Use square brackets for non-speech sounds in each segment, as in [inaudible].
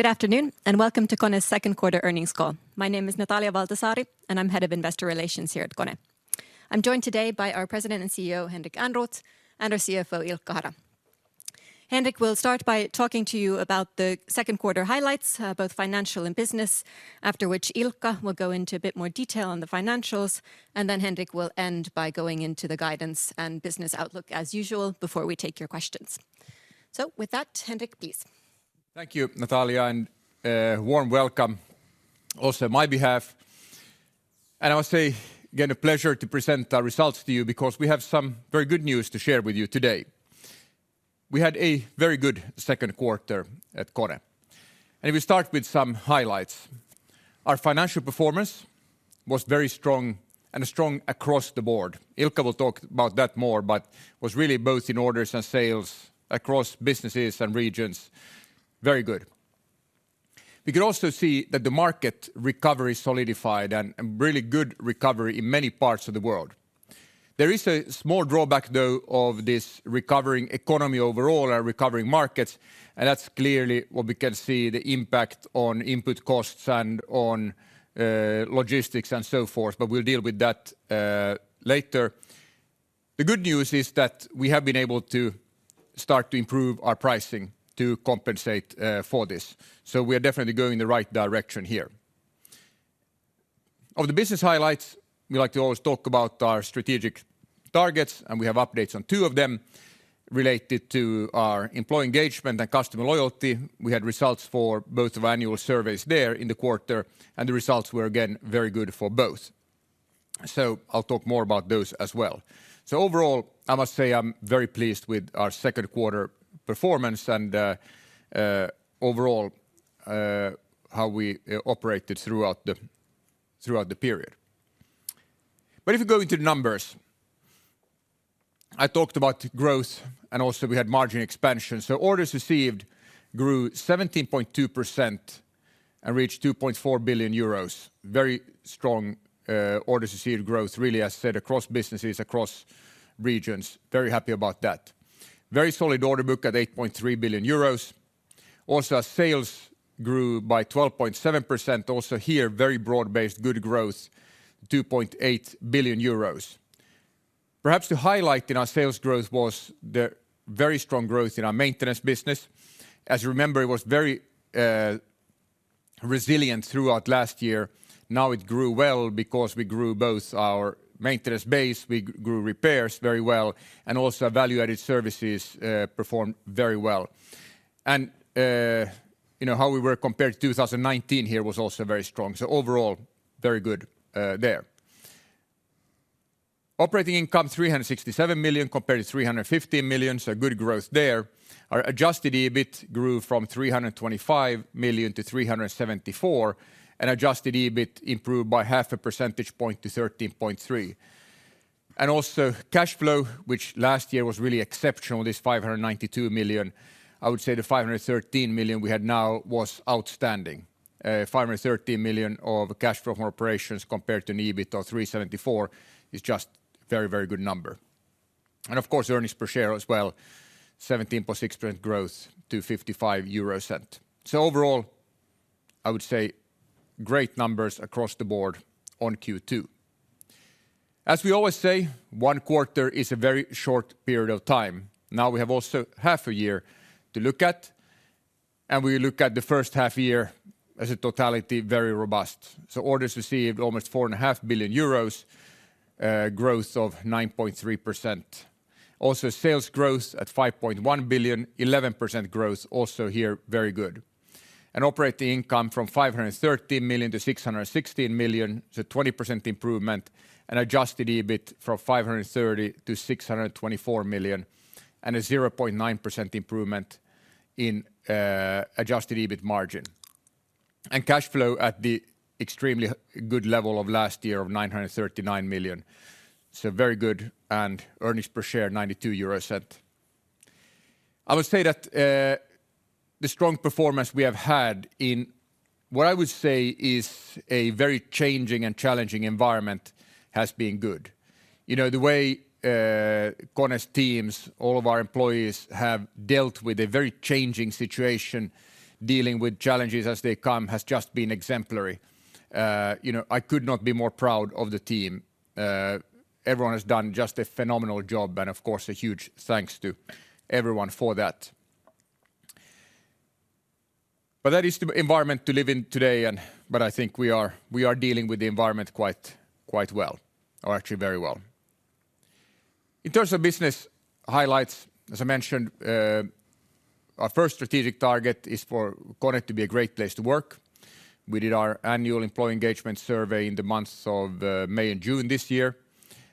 Good afternoon, and welcome to KONE's Second Quarter Earnings Call. My name is Natalia Valtasaari, and I'm Head of Investor Relations here at KONE. I'm joined today by our President and CEO, Henrik Ehrnrooth, and our CFO, Ilkka Hara. Henrik will start by talking to you about the second quarter highlights, both financial and business, after which Ilkka will go into a bit more detail on the financials. Then Henrik will end by going into the guidance and business outlook as usual before we take your questions. With that, Henrik, please. Thank you, Natalia. A warm welcome also on my behalf. I would say, again, a pleasure to present our results to you because we have some very good news to share with you today. We had a very good second quarter at KONE. We start with some highlights. Our financial performance was very strong and strong across the board. Ilkka will talk about that more, but was really both in orders and sales across businesses and regions, very good. We could also see that the market recovery solidified and a really good recovery in many parts of the world. There is a small drawback, though, of this recovering economy overall, our recovering markets, and that's clearly what we can see the impact on input costs and on logistics and so forth, but we'll deal with that later. The good news is that we have been able to start to improve our pricing to compensate for this. We are definitely going in the right direction here. Of the business highlights, we like to always talk about our strategic targets, and we have updates on two of them related to our employee engagement and customer loyalty. We had results for both of our annual surveys there in the quarter, and the results were again very good for both. I'll talk more about those as well. Overall, I must say I'm very pleased with our second quarter performance and overall how we operated throughout the period. If you go into the numbers, I talked about growth and also we had margin expansion. Orders received grew 17.2% and reached 2.4 billion euros. Very strong orders received growth really, as I said, across businesses, across regions. Very happy about that. Very solid order book at 8.3 billion euros. Our sales grew by 12.7%. Here, very broad-based good growth, 2.8 billion euros. Perhaps the highlight in our sales growth was the very strong growth in our maintenance business. As you remember, it was very resilient throughout last year. Now it grew well because we grew both our maintenance base, we grew repairs very well, and also value-added services performed very well. How we were compared to 2019 here was also very strong. Overall, very good there. Operating income, 367 million compared to 315 million, so good growth there. Our adjusted EBIT grew from 325 million to 374 million, and adjusted EBIT improved by half a percentage point to 13.3%. Also cash flow, which last year was really exceptional, this 592 million. I would say the 513 million we had now was outstanding. 513 million of cash flow from operations compared to an EBIT of 374 is just a very good number. Of course, earnings per share as well, 17.6% growth to 0.55. Overall, I would say great numbers across the board on Q2. As we always say, 1 quarter is a very short period of time. Now we have also half a year to look at, and we look at the first half year as a totality, very robust. Orders received almost 4.5 billion euros, growth of 9.3%. Also, sales growth at 5.1 billion, 11% growth, also here, very good. Operating income from 530 million to 616 million, it's a 20% improvement, and adjusted EBIT from 530 million to 624 million, and a 0.9% improvement in adjusted EBIT margin. Cash flow at the extremely good level of last year of 939 million. Very good, and earnings per share, 0.92 euros. I would say that the strong performance we have had in what I would say is a very changing and challenging environment has been good. The way KONE's teams, all of our employees, have dealt with a very changing situation, dealing with challenges as they come has just been exemplary. I could not be more proud of the team. Everyone has done just a phenomenal job, and of course, a huge thanks to everyone for that. That is the environment to live in today, but I think we are dealing with the environment quite well, or actually very well. In terms of business highlights, as I mentioned, our first strategic target is for KONE to be a great place to work. We did our annual employee engagement survey in the months of May and June this year.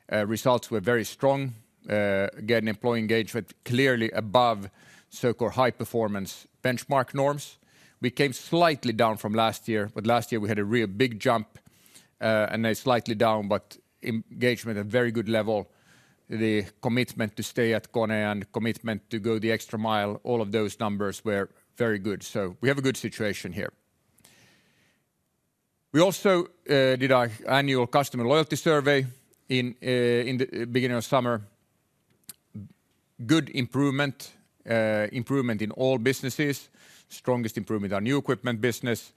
Results were very strong. Employee engagement clearly above [inaudible] High Performance benchmark norms. We came slightly down from last year, but last year we had a real big jump, and then slightly down, but engagement at a very good level. The commitment to stay at KONE and commitment to go the extra mile, all of those numbers were very good. We have a good situation here. We also did our annual customer loyalty survey in the beginning of summer. Good improvement in all businesses. Strongest improvement, our new equipment business.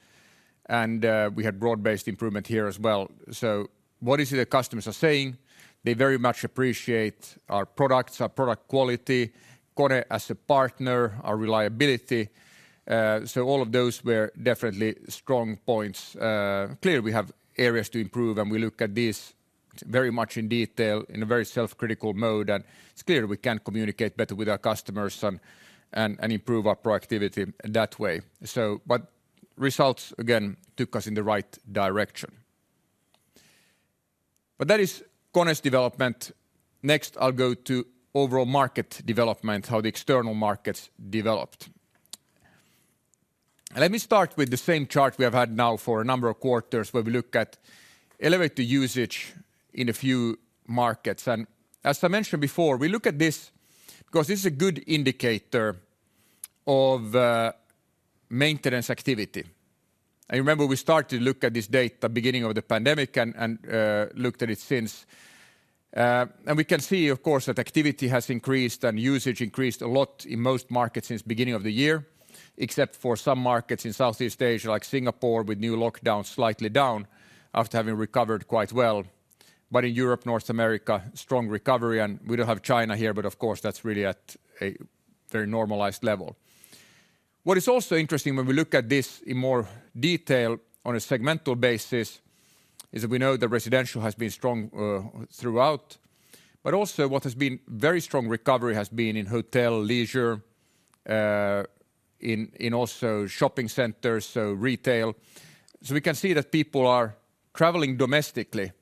We had broad-based improvement here as well. What is it that customers are saying? They very much appreciate our products, our product quality, KONE as a partner, our reliability. All of those were definitely strong points. Clearly, we have areas to improve. We look at this very much in detail in a very self-critical mode. It's clear we can communicate better with our customers and improve our productivity that way. Results, again, took us in the right direction. That is KONE's development. Next, I'll go to overall market development, how the external markets developed. Let me start with the same chart we have had now for a number of quarters, where we look at elevator usage in a few markets. As I mentioned before, we look at this because this is a good indicator of maintenance activity. Remember, we started to look at this data beginning of the pandemic. We looked at it since. We can see, of course, that activity has increased and usage increased a lot in most markets since the beginning of the year. Except for some markets in Southeast Asia, like Singapore, with new lockdowns slightly down after having recovered quite well. In Europe, North America, strong recovery. We don't have China here, but of course, that's really at a very normalized level. What is also interesting when we look at this in more detail on a segmental basis is that we know the residential has been strong throughout. Also what has been very strong recovery has been in hotel, leisure, in also shopping centers, so retail. We can see that people are traveling domestically.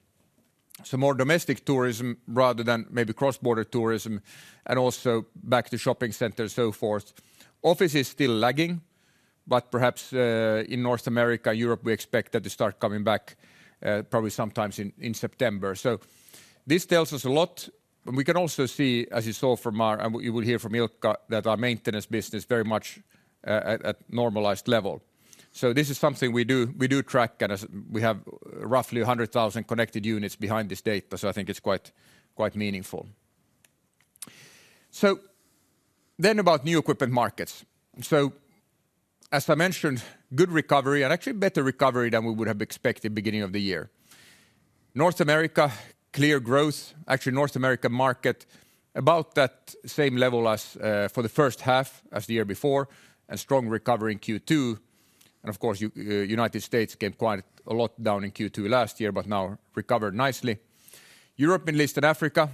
More domestic tourism rather than maybe cross-border tourism, and also back to shopping centers, so forth. Office is still lagging, but perhaps in North America, Europe, we expect that to start coming back probably sometime in September. This tells us a lot, and we can also see, as you saw from our and what you will hear from Ilkka, that our maintenance business very much at normalized level. This is something we do track, and we have roughly 100,000 connected units behind this data, so I think it's quite meaningful. About new equipment markets. As I mentioned, good recovery, and actually better recovery than we would have expected beginning of the year. North America, clear growth. Actually, North America market about that same level for the first half as the year before, and strong recovery in Q2. Of course, United States came quite a lot down in Q2 last year, but now recovered nicely. Europe, Middle East, and Africa,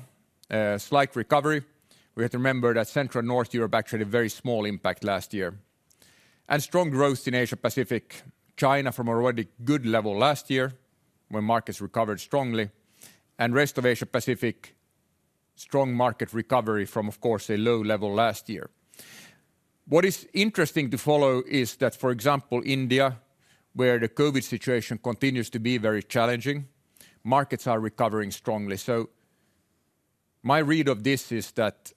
slight recovery. We have to remember that Central and North Europe actually had a very small impact last year. Strong growth in Asia-Pacific. China from an already good level last year, when markets recovered strongly, and rest of Asia-Pacific, strong market recovery from, of course, a low level last year. What is interesting to follow is that, for example, India, where the COVID situation continues to be very challenging, markets are recovering strongly. My read of this is that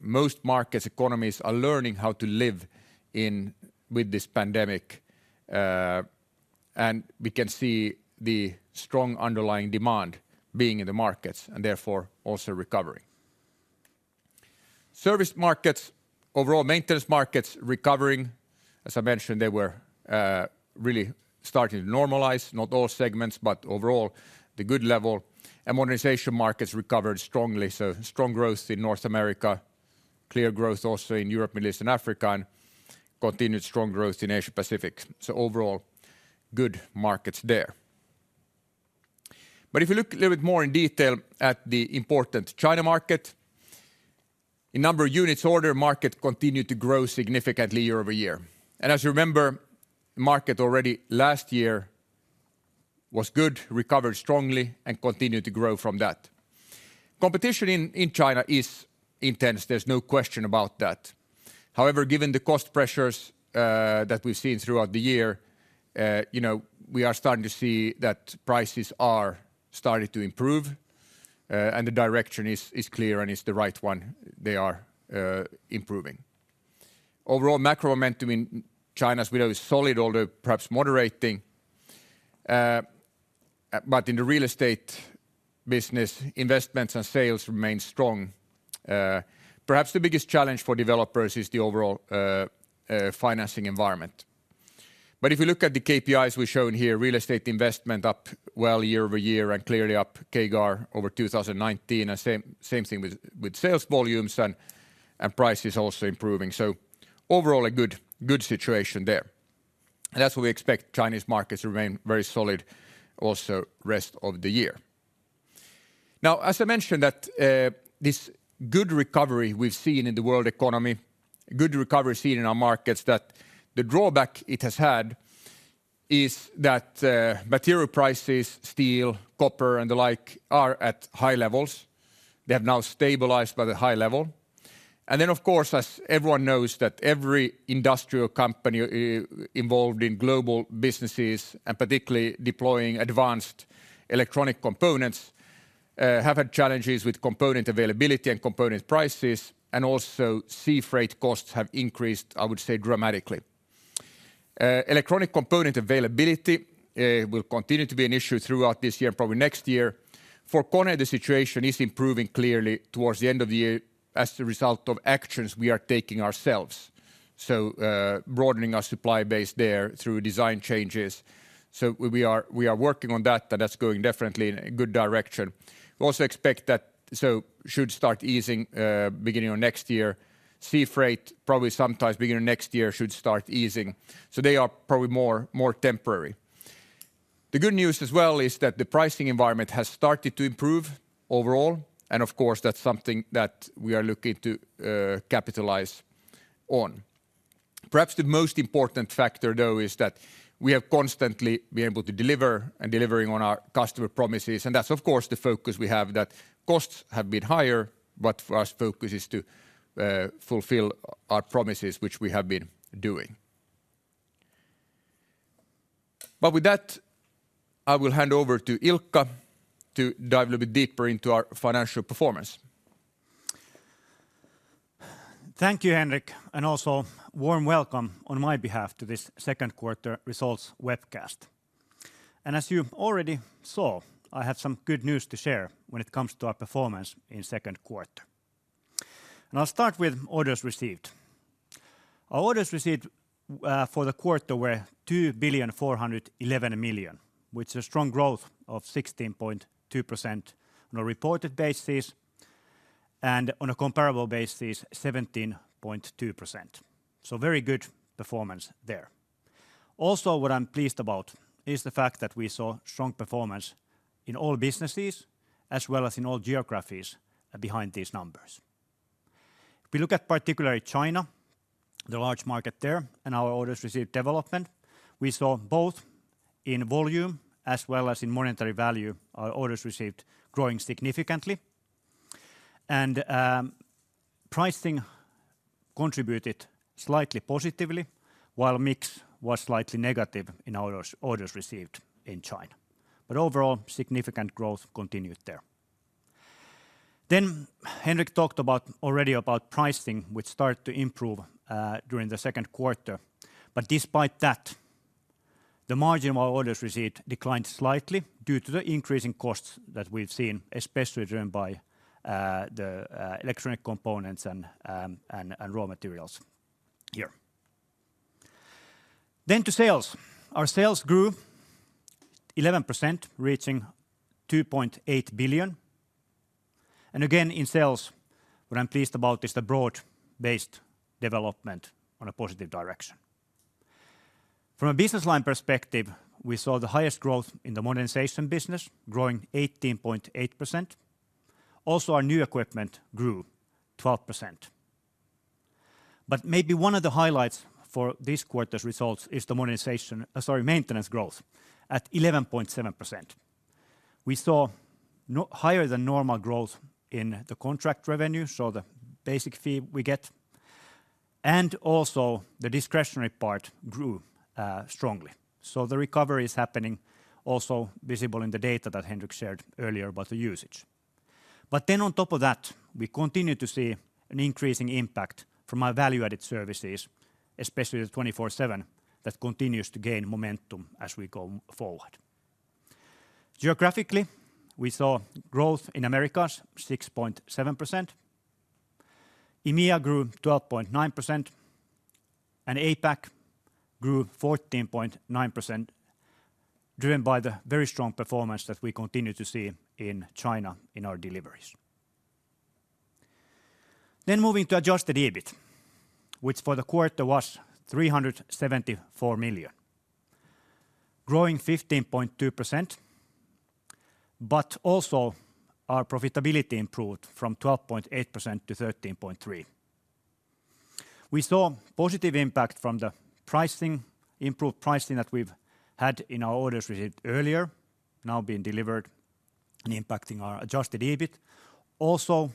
most markets, economies are learning how to live with this pandemic, and we can see the strong underlying demand being in the markets, and therefore also recovering. Service markets, overall maintenance markets recovering. As I mentioned, they were really starting to normalize. Not all segments, but overall, the good level. Modernization markets recovered strongly. Strong growth in North America. Clear growth also in Europe, Middle East, and Africa, and continued strong growth in Asia-Pacific. Overall, good markets there. If you look a little bit more in detail at the important China market, in number of units ordered, market continued to grow significantly year-over-year. As you remember, market already last year was good, recovered strongly, and continued to grow from that. Competition in China is intense. There is no question about that. However, given the cost pressures that we have seen throughout the year, we are starting to see that prices are starting to improve, and the direction is clear and is the right one. They are improving. Overall macro momentum in China as we know is solid, although perhaps moderating. In the real estate business, investments and sales remain strong. Perhaps the biggest challenge for developers is the overall financing environment. If you look at the KPIs we've shown here, real estate investment up well year-over-year, and clearly up CAGR over 2019, and same thing with sales volumes, and prices also improving. Overall, a good situation there. That's why we expect Chinese markets to remain very solid also rest of the year. Now, as I mentioned that this good recovery we've seen in the world economy, good recovery seen in our markets, that the drawback it has had is that material prices, steel, copper, and the like, are at high levels. They have now stabilized, but at high level. Of course, as everyone knows that every industrial company involved in global businesses, and particularly deploying advanced electronic components have had challenges with component availability and component prices, and also sea freight costs have increased, I would say dramatically. Electronic component availability will continue to be an issue throughout this year and probably next year. For KONE, the situation is improving clearly towards the end of the year as the result of actions we are taking ourselves. Broadening our supply base there through design changes. We are working on that, and that's going definitely in a good direction. We also expect that should start easing beginning of next year. Sea freight probably sometimes beginning of next year should start easing. They are probably more temporary. The good news as well is that the pricing environment has started to improve overall and of course, that's something that we are looking to capitalize on. Perhaps the most important factor though, is that we have constantly been able to deliver and delivering on our customer promises, and that's of course the focus we have that costs have been higher, but for us focus is to fulfill our promises, which we have been doing. With that, I will hand over to Ilkka to dive a little bit deeper into our financial performance. Thank you, Henrik, also warm welcome on my behalf to this Second Quarter results webcast. As you already saw, I had some good news to share when it comes to our performance in Second Quarter. I'll start with orders received. Our orders received for the quarter were 2,411 million, which is a strong growth of 16.2% on a reported basis and on a comparable basis, 17.2%. Very good performance there. What I'm pleased about is the fact that we saw strong performance in all businesses as well as in all geographies behind these numbers. If we look at particular China, the large market there, and our orders received development, we saw both in volume as well as in monetary value, our orders received growing significantly. Pricing contributed slightly positively while mix was slightly negative in orders received in China, but overall significant growth continued there. Henrik talked already about pricing, which started to improve during the second quarter. Despite that, the margin of our orders received declined slightly due to the increase in costs that we've seen, especially driven by the electronic components and raw materials here. To sales. Our sales grew 11%, reaching 2.8 billion. Again, in sales, what I'm pleased about is the broad-based development on a positive direction. From a business line perspective, we saw the highest growth in the modernization business growing 18.8%. Also, our new equipment grew 12%. Maybe one of the highlights for this quarter's results is the maintenance growth at 11.7%. We saw higher than normal growth in the contract revenue, the basic fee we get and also the discretionary part grew strongly. The recovery is happening also visible in the data that Henrik shared earlier about the usage. On top of that, we continue to see an increasing impact from our value-added services, especially the 24/7, that continues to gain momentum as we go forward. Geographically, we saw growth in Americas 6.7%. EMEA grew 12.9% and APAC grew 14.9%, driven by the very strong performance that we continue to see in China in our deliveries. Moving to adjusted EBIT, which for the quarter was 374 million, growing 15.2%, also our profitability improved from 12.8% to 13.3%. We saw positive impact from the improved pricing that we've had in our orders received earlier, now being delivered and impacting our adjusted EBIT.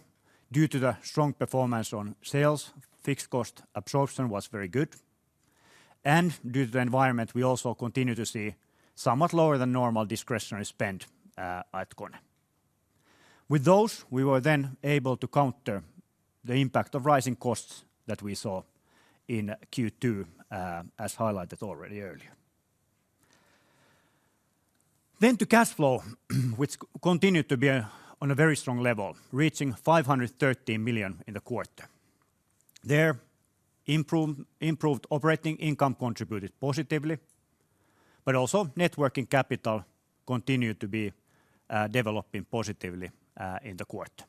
Due to the strong performance on sales, fixed cost absorption was very good. Due to the environment, we also continue to see somewhat lower than normal discretionary spend at KONE. With those, we were then able to counter the impact of rising costs that we saw in Q2 as highlighted already earlier. To cash flow, which continued to be on a very strong level, reaching 513 million in the quarter. There, improved operating income contributed positively, also net working capital continued to be developing positively in the quarter.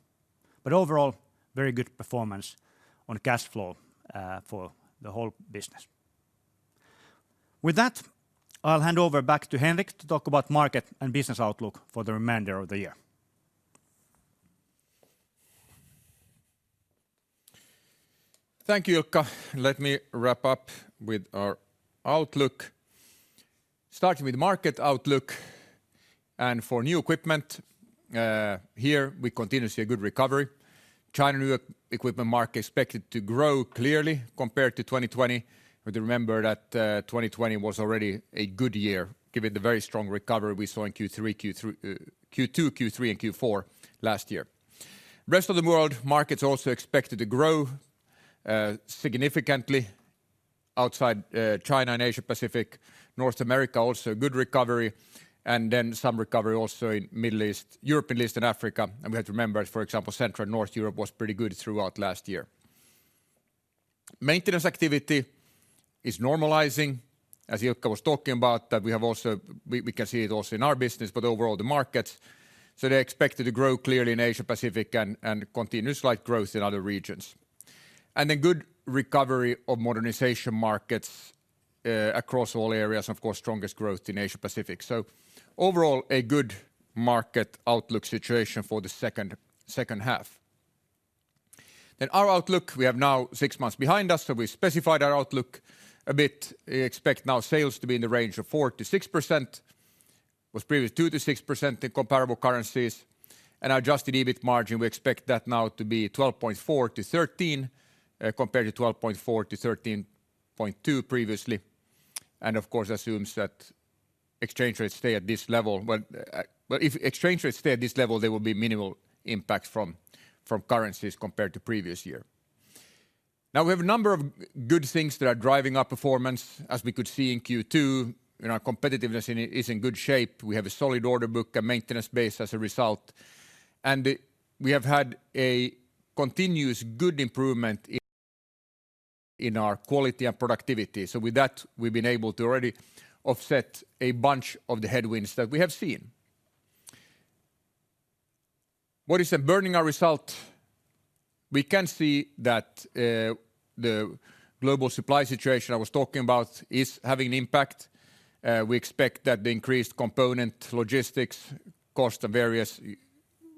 Overall, very good performance on cash flow for the whole business. With that, I'll hand over back to Henrik to talk about market and business outlook for the remainder of the year. Thank you, Ilkka. Let me wrap up with our outlook. Starting with market outlook and for new equipment, here we continue to see a good recovery. China new equipment market expected to grow clearly compared to 2020. We have to remember that 2020 was already a good year, given the very strong recovery we saw in Q2, Q3, and Q4 last year. Rest of the world markets also expected to grow significantly outside China and Asia Pacific. North America, also a good recovery, and then some recovery also in Middle East, Europe, East, and Africa. We have to remember, for example, Central and North Europe was pretty good throughout last year. Maintenance activity is normalizing. As Ilkka was talking about, we can see it also in our business, but overall the markets are expected to grow clearly in Asia Pacific and continuous slight growth in other regions. Good recovery of modernization markets across all areas. Of course, strongest growth in Asia Pacific. Overall, a good market outlook situation for the second half. Our outlook, we have now six months behind us, we specified our outlook a bit. Expect now sales to be in the range of 4%-6%, was previous 2%-6% in comparable currencies. Adjusted EBIT margin, we expect that now to be 12.4%-13%, compared to 12.4%-13.2% previously. Of course, assumes that exchange rates stay at this level. If exchange rates stay at this level, there will be minimal impact from currencies compared to previous year. We have a number of good things that are driving our performance, as we could see in Q2. Our competitiveness is in good shape. We have a solid order book, a maintenance base as a result. We have had a continuous good improvement in our quality and productivity. With that, we've been able to already offset a bunch of the headwinds that we have seen. What is impacting our result? We can see that the global supply situation I was talking about is having an impact. We expect that the increased component logistics cost of various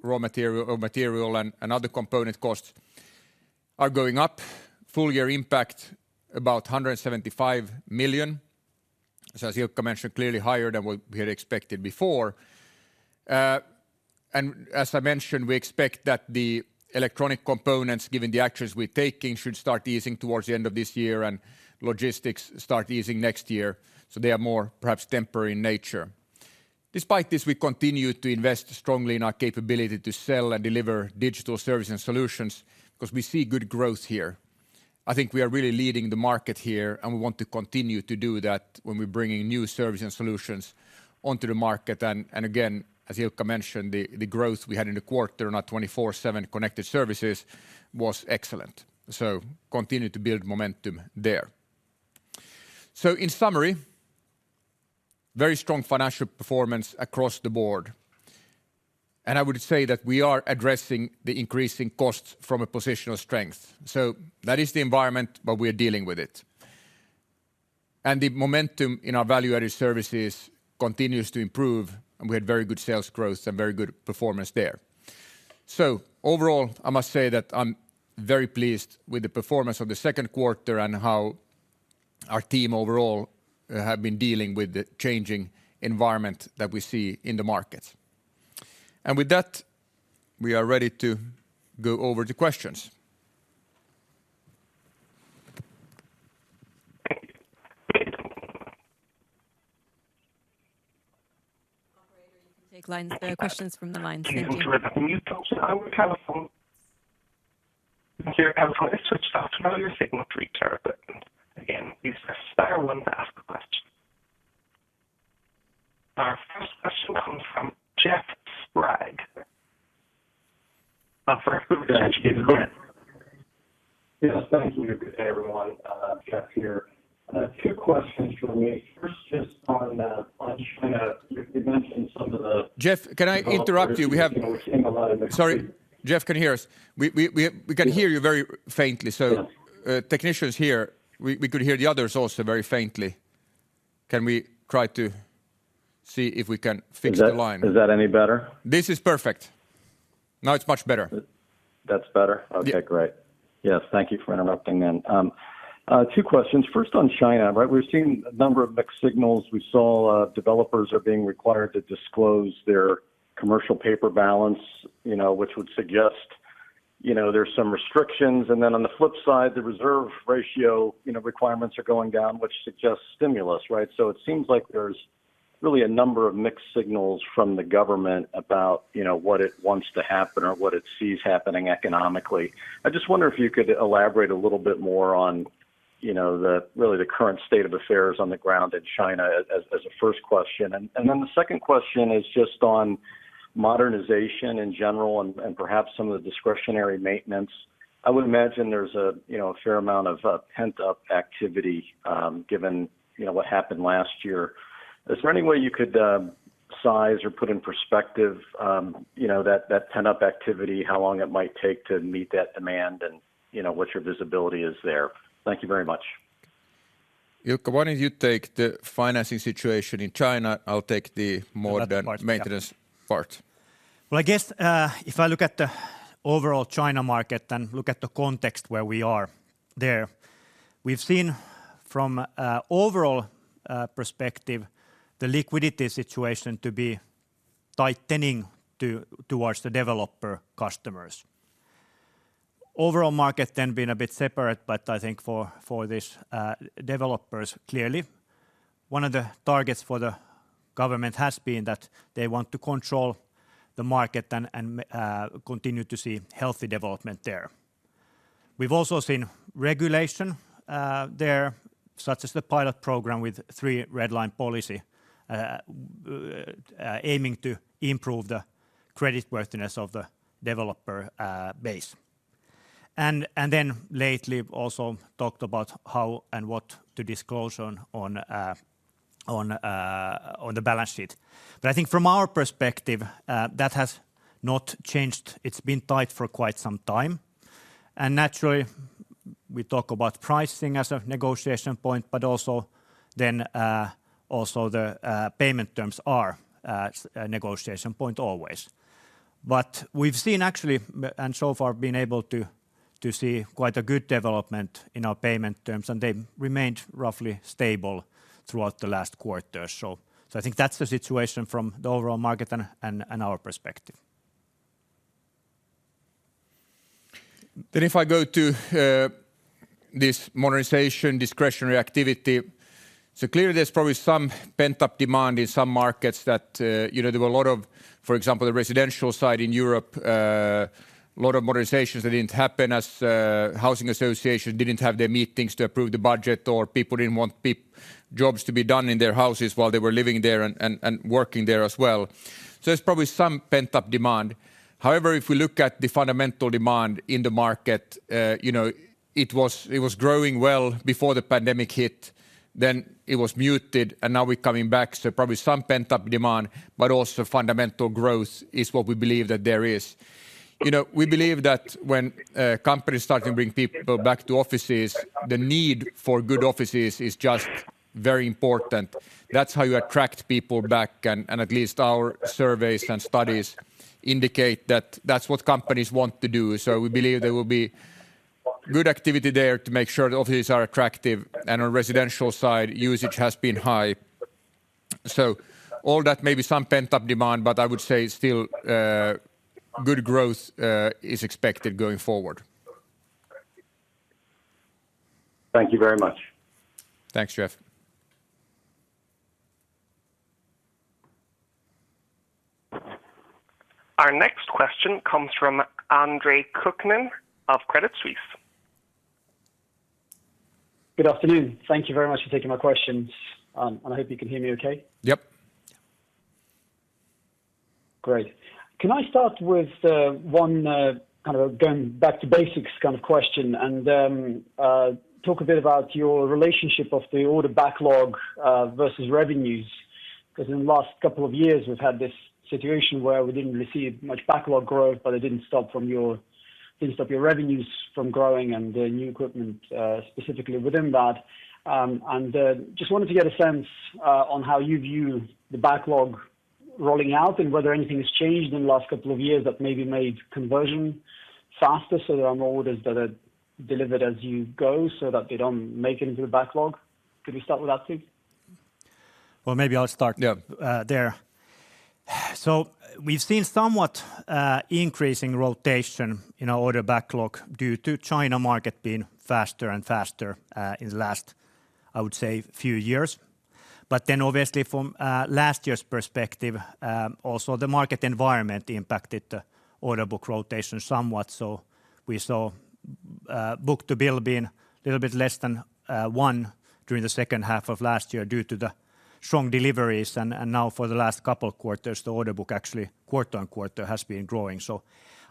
raw material and other component costs are going up. Full year impact about 175 million. As Ilkka mentioned, clearly higher than what we had expected before. As I mentioned, we expect that the electronic components, given the actions we're taking, should start easing towards the end of this year and logistics start easing next year. They are more perhaps temporary in nature. Despite this, we continue to invest strongly in our capability to sell and deliver digital service and solutions because we see good growth here. I think we are really leading the market here, and we want to continue to do that when we're bringing new service and solutions onto the market. Again, as Ilkka mentioned, the growth we had in the quarter in our KONE 24/7 Connected Services was excellent. Continue to build momentum there. In summary, very strong financial performance across the board. I would say that we are addressing the increasing costs from a position of strength. That is the environment, but we are dealing with it. The momentum in our value-added services continues to improve, and we had very good sales growth and very good performance there. Overall, I must say that I'm very pleased with the performance of the second quarter and how our team overall have been dealing with the changing environment that we see in the market. With that, we are ready to go over to questions. Operator, you can take questions from the lines now. Our first question comes from Jeff Sprague. Up for Yes. Thank you. Good day, everyone. Jeff here. Two questions from me. First, just on China. You mentioned some of the Jeff, can I interrupt you? Sorry. Jeff, can you hear us? We can hear you very faintly. Yes. Technicians here, we could hear the others also very faintly. Can we try to see if we can fix the line? Is that any better? This is perfect. Now it's much better. That's better? Yeah. Okay, great. Yes, thank you for interrupting then. Two questions. First, on China, right? We're seeing a number of mixed signals. We saw developers are being required to disclose their commercial paper balance, which would suggest there's some restrictions. Then on the flip side, the reserve ratio requirements are going down, which suggests stimulus, right? It seems like there's really a number of mixed signals from the government about what it wants to happen or what it sees happening economically. I just wonder if you could elaborate a little bit more on really the current state of affairs on the ground in China as a first question. Then the second question is just on modernization in general and perhaps some of the discretionary maintenance. I would imagine there's a fair amount of pent-up activity, given what happened last year. Is there any way you could size or put in perspective that pent-up activity, how long it might take to meet that demand, and what your visibility is there? Thank you very much. Ilkka, why don't you take the financing situation in China? I'll take the other part, yeah maintenance part. Well, I guess, if I look at the overall China market and look at the context where we are there, we've seen, from an overall perspective, the liquidity situation to be tightening towards the developer customers. The overall market has then been a bit separate, I think for these developers, clearly, one of the targets for the government has been that they want to control the market and continue to see healthy development there. We've also seen regulation there, such as the pilot program with Three Red Lines policy, aiming to improve the credit worthiness of the developer base. We've then lately, also talked about how and what to disclose on the balance sheet. I think from our perspective, that has not changed. It's been tight for quite some time. Naturally, we talk about pricing as a negotiation point, but also then also the payment terms are a negotiation point always. We've seen actually, and so far been able to see quite a good development in our payment terms, and they remained roughly stable throughout the last quarter. I think that's the situation from the overall market and our perspective. If I go to this modernization discretionary activity, clearly there's probably some pent-up demand in some markets that there were a lot of, for example, the residential side in Europe, a lot of modernizations that didn't happen as housing associations didn't have their meetings to approve the budget, or people didn't want jobs to be done in their houses while they were living there and working there as well. There's probably some pent-up demand. However, if we look at the fundamental demand in the market, it was growing well before the pandemic hit, then it was muted, and now we're coming back. Probably some pent-up demand, but also fundamental growth is what we believe that there is. We believe that when companies start to bring people back to offices, the need for good offices is just very important. That's how you attract people back, and at least our surveys and studies indicate that that's what companies want to do. We believe there will be good activity there to make sure the offices are attractive, and our residential-side usage has been high. All that may be some pent-up demand, but I would say still good growth is expected going forward. Thank you very much. Thanks, Jeff. Our next question comes from Andre Kukhnin of Credit Suisse. Good afternoon. Thank you very much for taking my questions. I hope you can hear me okay. Yep. Great. Can I start with one kind of going back to basics kind of question and talk a bit about your relationship of the order backlog versus revenues? In the last couple of years, we've had this situation where we didn't really see much backlog growth, but it didn't stop your revenues from growing and the new equipment, specifically within that. Just wanted to get a sense on how you view the backlog rolling out and whether anything has changed in the last couple of years that maybe made conversion faster so there are more orders that are delivered as you go so that they don't make it into the backlog. Could we start with that, please? Well, maybe I'll start Yeah We've seen somewhat increasing rotation in our order backlog due to China market being faster and faster in the last, I would say, few years. Obviously from last year's perspective, also the market environment impacted the order book rotation somewhat. We saw book-to-bill being a little bit less than one during the second half of last year due to the strong deliveries. Now for the last couple of quarters, the order book actually quarter on quarter has been growing.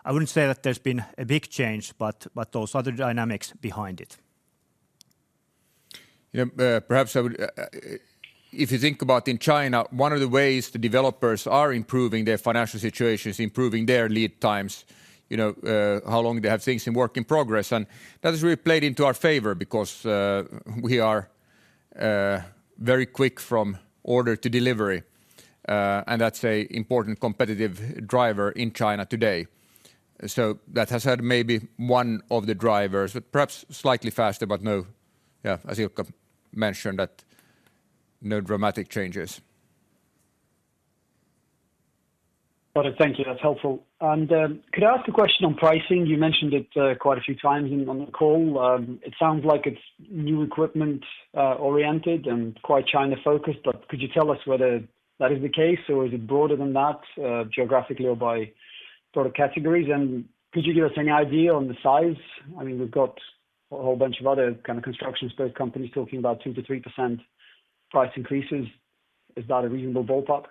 I wouldn't say that there's been a big change, but those are the dynamics behind it. Perhaps if you think about in China, one of the ways the developers are improving their financial situation is improving their lead times, how long they have things in work in progress. That has really played into our favor because we are very quick from order to delivery, and that's a important competitive driver in China today. That has had maybe one of the drivers, but perhaps slightly faster, but no, as Ilkka mentioned, no dramatic changes. Got it. Thank you. That's helpful. Could I ask a question on pricing? You mentioned it quite a few times on the call. It sounds like it's new equipment oriented and quite China focused, but could you tell us whether that is the case or is it broader than that geographically or by sort of categories? Could you give us any idea on the size? We've got a whole bunch of other kind of construction space companies talking about 2%-3% price increases. Is that a reasonable ballpark?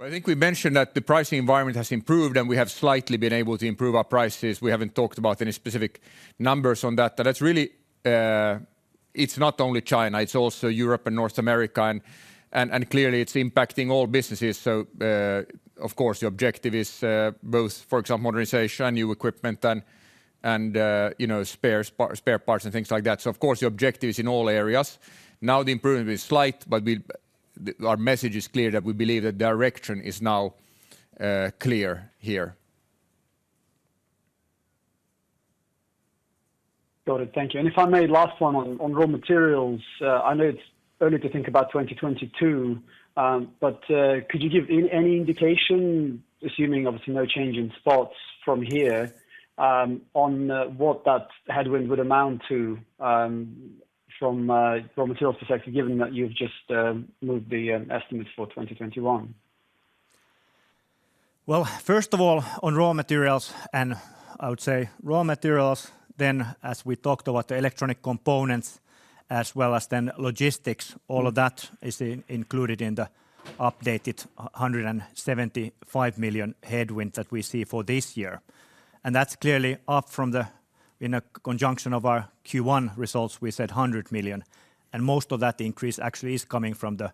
I think we mentioned that the pricing environment has improved, and we have slightly been able to improve our prices. We haven't talked about any specific numbers on that. It's not only China. It's also Europe and North America. Clearly, it's impacting all businesses. Of course, the objective is both, for example, modernization, new equipment and spare parts and things like that. Of course, the objective is in all areas. The improvement is slight, but our message is clear that we believe the direction is now clear here. Got it. Thank you. If I may, last one on raw materials. I know it's early to think about 2022, but could you give any indication, assuming obviously no change in spots from here, on what that headwind would amount to from a raw materials perspective, given that you've just moved the estimates for 2021? First of all, on raw materials, I would say raw materials, as we talked about the electronic components as well as logistics, all of that is included in the updated 175 million headwind that we see for this year. That's clearly up from the, in a conjunction of our Q1 results, we said 100 million, most of that increase actually is coming from the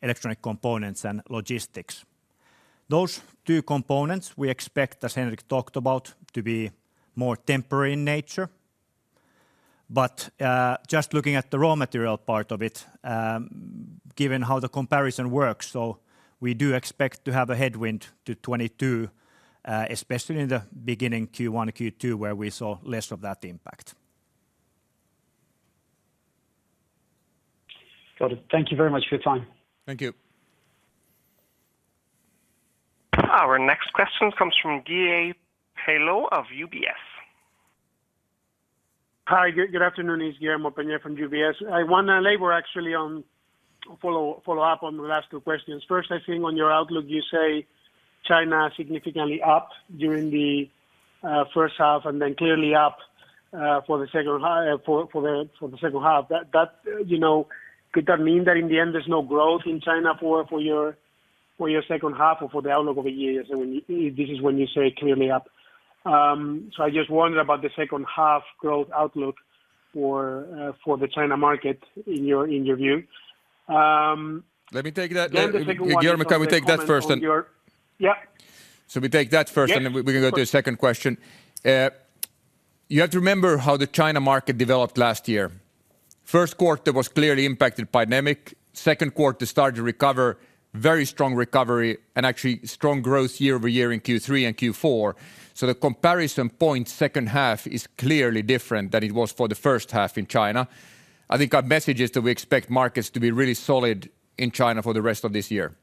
electronic components and logistics. Those two components we expect, as Henrik talked about, to be more temporary in nature. Just looking at the raw material part of it, given how the comparison works, we do expect to have a headwind to 2022, especially in the beginning, Q1, Q2, where we saw less of that impact. Got it. Thank you very much for your time. Thank you. Our next question comes from Guillermo Peigneux of UBS. Hi. Good afternoon. It's Guillermo Peigneux from UBS. I want to labor, actually, on a follow-up on the last two questions. First, I think on your outlook, you say China significantly up during the first half and then clearly up for the second half. Could that mean that in the end there's no growth in China for your second half or for the outlook over years? This is when you say clearly up. I just wonder about the second half growth outlook for the China market in your view. Let me take that. The second one. Guille, we take that first. Yeah We take that. Yeah, sure. We can go to the second question. You have to remember how the China market developed last year. First quarter was clearly impacted by pandemic. Second quarter started to recover, very strong recovery and actually strong growth year-over-year in Q3 and Q4. The comparison point second half is clearly different than it was for the first half in China. I think our message is that we expect markets to be really solid in China for the rest of this year.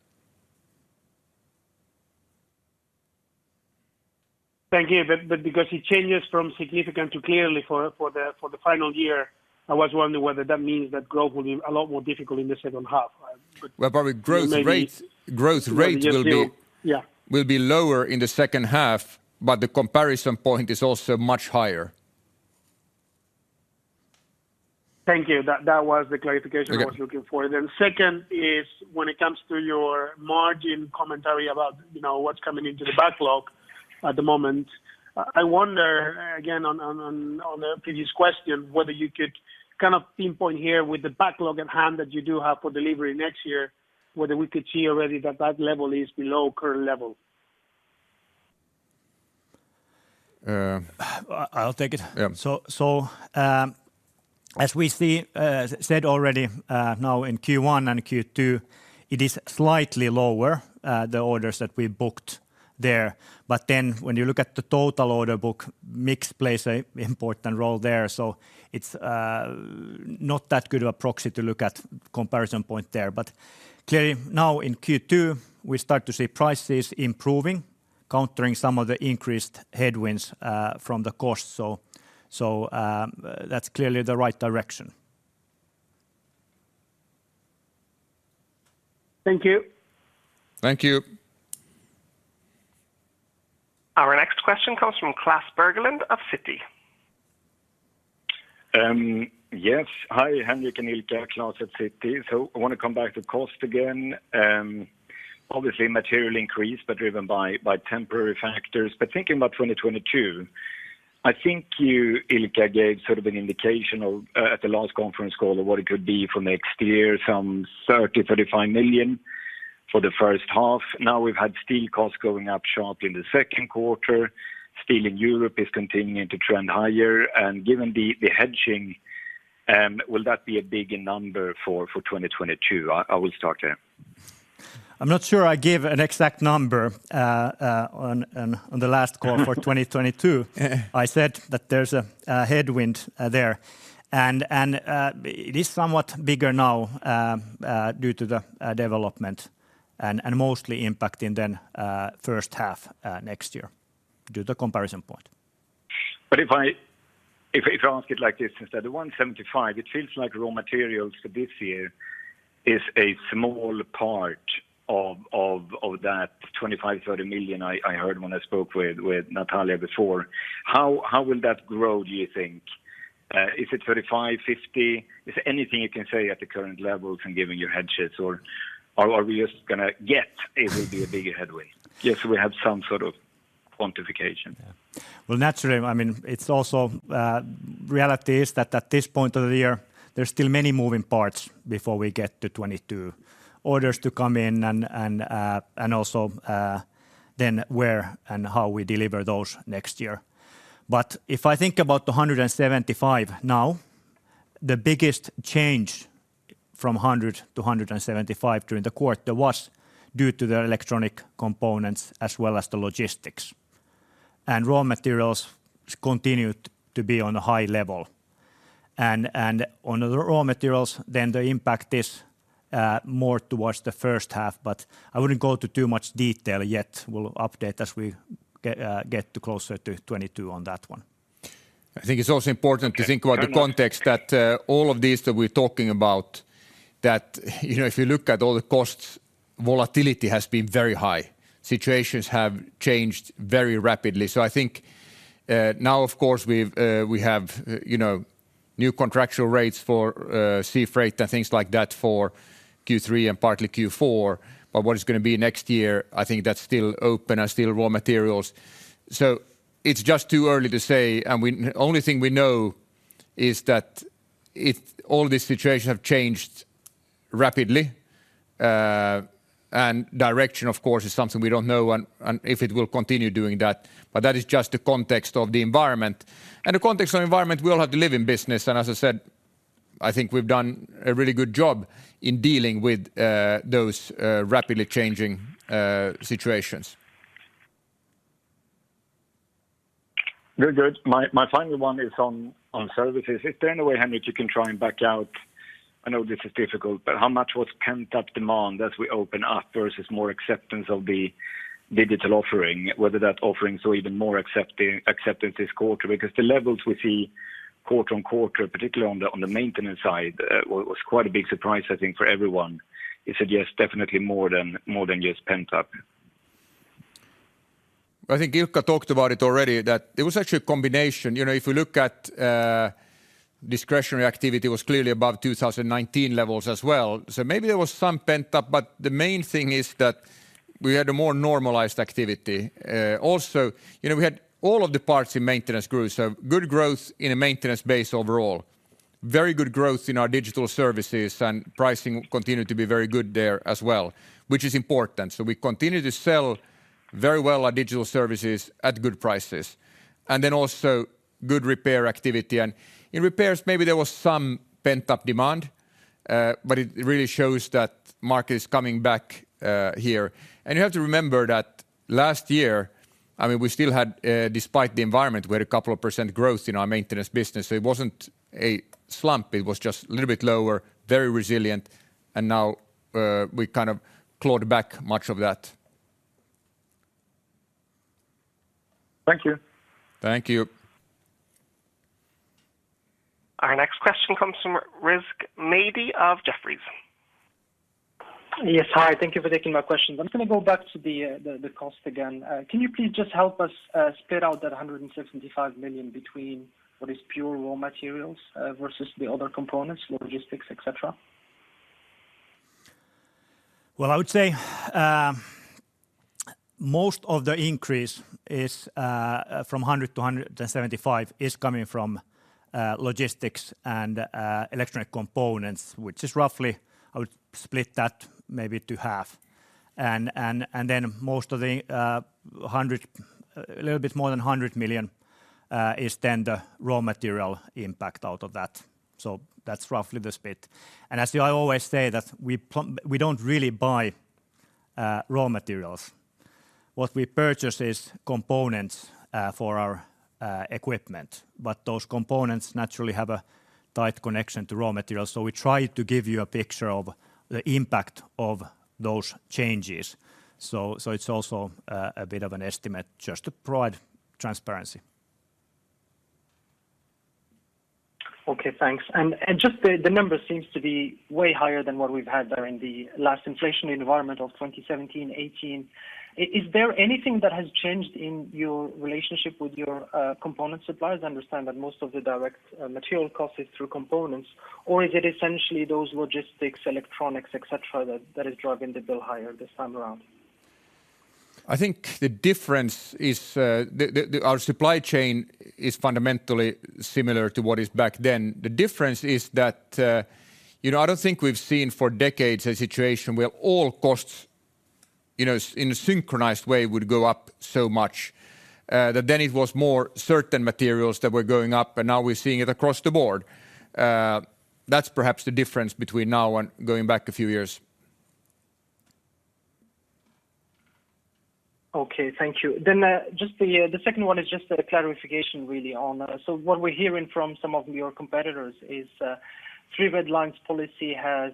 Thank you. Because it changes from significant to clearly for the final year, I was wondering whether that means that growth will be a lot more difficult in the second half. Well, probably growth rate. Yeah will be lower in the second half, but the comparison point is also much higher. Thank you. That was the clarification. Okay I was looking for. Second is when it comes to your margin commentary about what's coming into the backlog at the moment, I wonder, again, on the previous question, whether you could kind of pinpoint here with the backlog in hand that you do have for delivery next year, whether we could see already that that level is below current level. I'll take it. Yeah. As we said already, now in Q1 and Q2, it is slightly lower, the orders that we booked there. When you look at the total order book, mix plays a important role there. It's not that good of a proxy to look at comparison point there. Clearly now in Q2, we start to see prices improving, countering some of the increased headwinds from the cost. That's clearly the right direction. Thank you. Thank you. Our next question comes from Klas Bergelind of Citi. Yes. Hi, Henrik and Ilkka. Klas at Citi. I want to come back to cost again. Obviously material increase, but driven by temporary factors. Thinking about 2022, I think you, Ilkka, gave sort of an indication at the last conference call of what it could be for next year, some 30 million-35 million for the first half. Now we've had steel costs going up sharply in the second quarter. Steel in Europe is continuing to trend higher, and given the hedging, will that be a bigger number for 2022? I will start there. I'm not sure I gave an exact number on the last call for 2022. I said that there's a headwind there. It is somewhat bigger now due to the development and mostly impacting then first half next year due to comparison point. If I ask it like this instead, the 175, it feels like raw materials for this year is a small part of that 25 million, 30 million I heard when I spoke with Natalia before. How will that grow, do you think? Is it 35, 50? Is there anything you can say at the current levels and giving your hedges, or are we just going to get it will be a bigger headwind? Just so we have some sort of quantification. Well, naturally, I mean, it's also reality is that at this point of the year, there's still many moving parts before we get to 2022. Orders to come in and also then where and how we deliver those next year. If I think about the 175 now. The biggest change from 100 to 175 during the quarter was due to the electronic components as well as the logistics. Raw materials continued to be on a high level. On the raw materials, the impact is more towards the first half, but I wouldn't go into too much detail yet. We'll update as we get closer to 2022 on that one. I think it's also important to think about the context that all of these that we're talking about, that if you look at all the costs, volatility has been very high. Situations have changed very rapidly. I think now, of course, we have new contractual rates for sea freight and things like that for Q3 and partly Q4. What it's going to be next year, I think that's still open and still raw materials. It's just too early to say, and only thing we know is that all these situations have changed rapidly. Direction, of course, is something we don't know and if it will continue doing that. That is just the context of the environment. The context of the environment we all have to live in business, and as I said, I think we've done a really good job in dealing with those rapidly changing situations. Very good. My final one is on services. Is there any way, Henrik, you can try and back out, I know this is difficult, but how much was pent-up demand as we open up versus more acceptance of the digital offering, whether that offering saw even more acceptance this quarter? The levels we see quarter-on-quarter, particularly on the maintenance side, was quite a big surprise, I think, for everyone. Is it definitely more than just pent-up? I think Ilkka talked about it already, that it was actually a combination. If we look at discretionary activity was clearly above 2019 levels as well. Maybe there was some pent-up, but the main thing is that we had a more normalized activity. We had all of the parts in maintenance grew, so good growth in a maintenance base overall. Very good growth in our digital services, and pricing continued to be very good there as well, which is important. We continue to sell very well our digital services at good prices. Then also good repair activity. In repairs, maybe there was some pent-up demand, but it really shows that market is coming back here. You have to remember that last year, we still had, despite the environment, we had a couple of percent growth in our maintenance business. It wasn't a slump. It was just a little bit lower, very resilient, and now we kind of clawed back much of that. Thank you. Thank you. Our next question comes from Rizk Maidi of Jefferies. Yes. Hi. Thank you for taking my questions. I'm just going to go back to the cost again. Can you please just help us split out that 175 million between what is pure raw materials versus the other components, logistics, et cetera? Well, I would say most of the increase from 100-175 is coming from logistics and electronic components, which is roughly, I would split that maybe to half. Then a little bit more than 100 million is then the raw material impact out of that. That's roughly the split. As I always say that we don't really buy raw materials. What we purchase is components for our equipment. Those components naturally have a tight connection to raw materials. We try to give you a picture of the impact of those changes. It's also a bit of an estimate just to provide transparency. Okay, thanks. Just the number seems to be way higher than what we've had during the last inflation environment of 2017, 2018. Is there anything that has changed in your relationship with your component suppliers? I understand that most of the direct material cost is through components, or is it essentially those logistics, electronics, et cetera, that is driving the bill higher this time around? I think our supply chain is fundamentally similar to what is back then. The difference is that I don't think we've seen for decades a situation where all costs in a synchronized way would go up so much. That then it was more certain materials that were going up, and now we're seeing it across the board. That's perhaps the difference between now and going back a few years. Okay, thank you. The second one is just a clarification, really. What we're hearing from some of your competitors is Three Red Lines policy has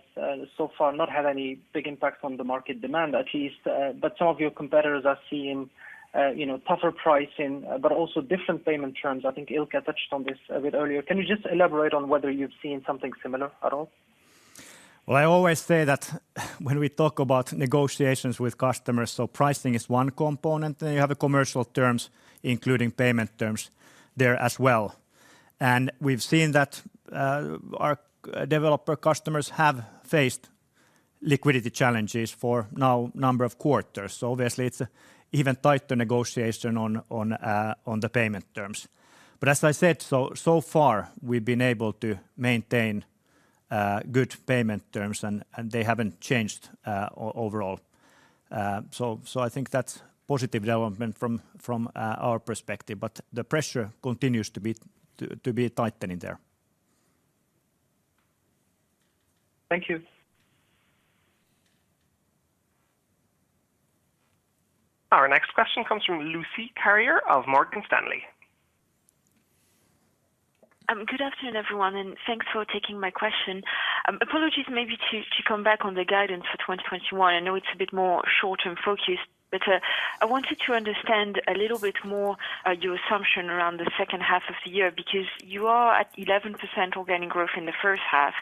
so far not had any big impact on the market demand, at least. Some of your competitors are seeing tougher pricing but also different payment terms. I think Ilkka touched on this a bit earlier. Can you just elaborate on whether you've seen something similar at all? I always say that when we talk about negotiations with customers, pricing is one component. You have the commercial terms, including payment terms there as well. We've seen that our developer customers have faced liquidity challenges for now a number of quarters. Obviously it's even tighter negotiation on the payment terms. As I said, so far we've been able to maintain good payment terms and they haven't changed overall. I think that's positive development from our perspective, but the pressure continues to be tightening there. Thank you. Our next question comes from Lucie Carrier of Morgan Stanley. Good afternoon, everyone. Thanks for taking my question. Apologies maybe to come back on the guidance for 2021. I know it's a bit more short-term focused. I wanted to understand a little bit more your assumption around the second half of the year, because you are at 11% organic growth in the first half.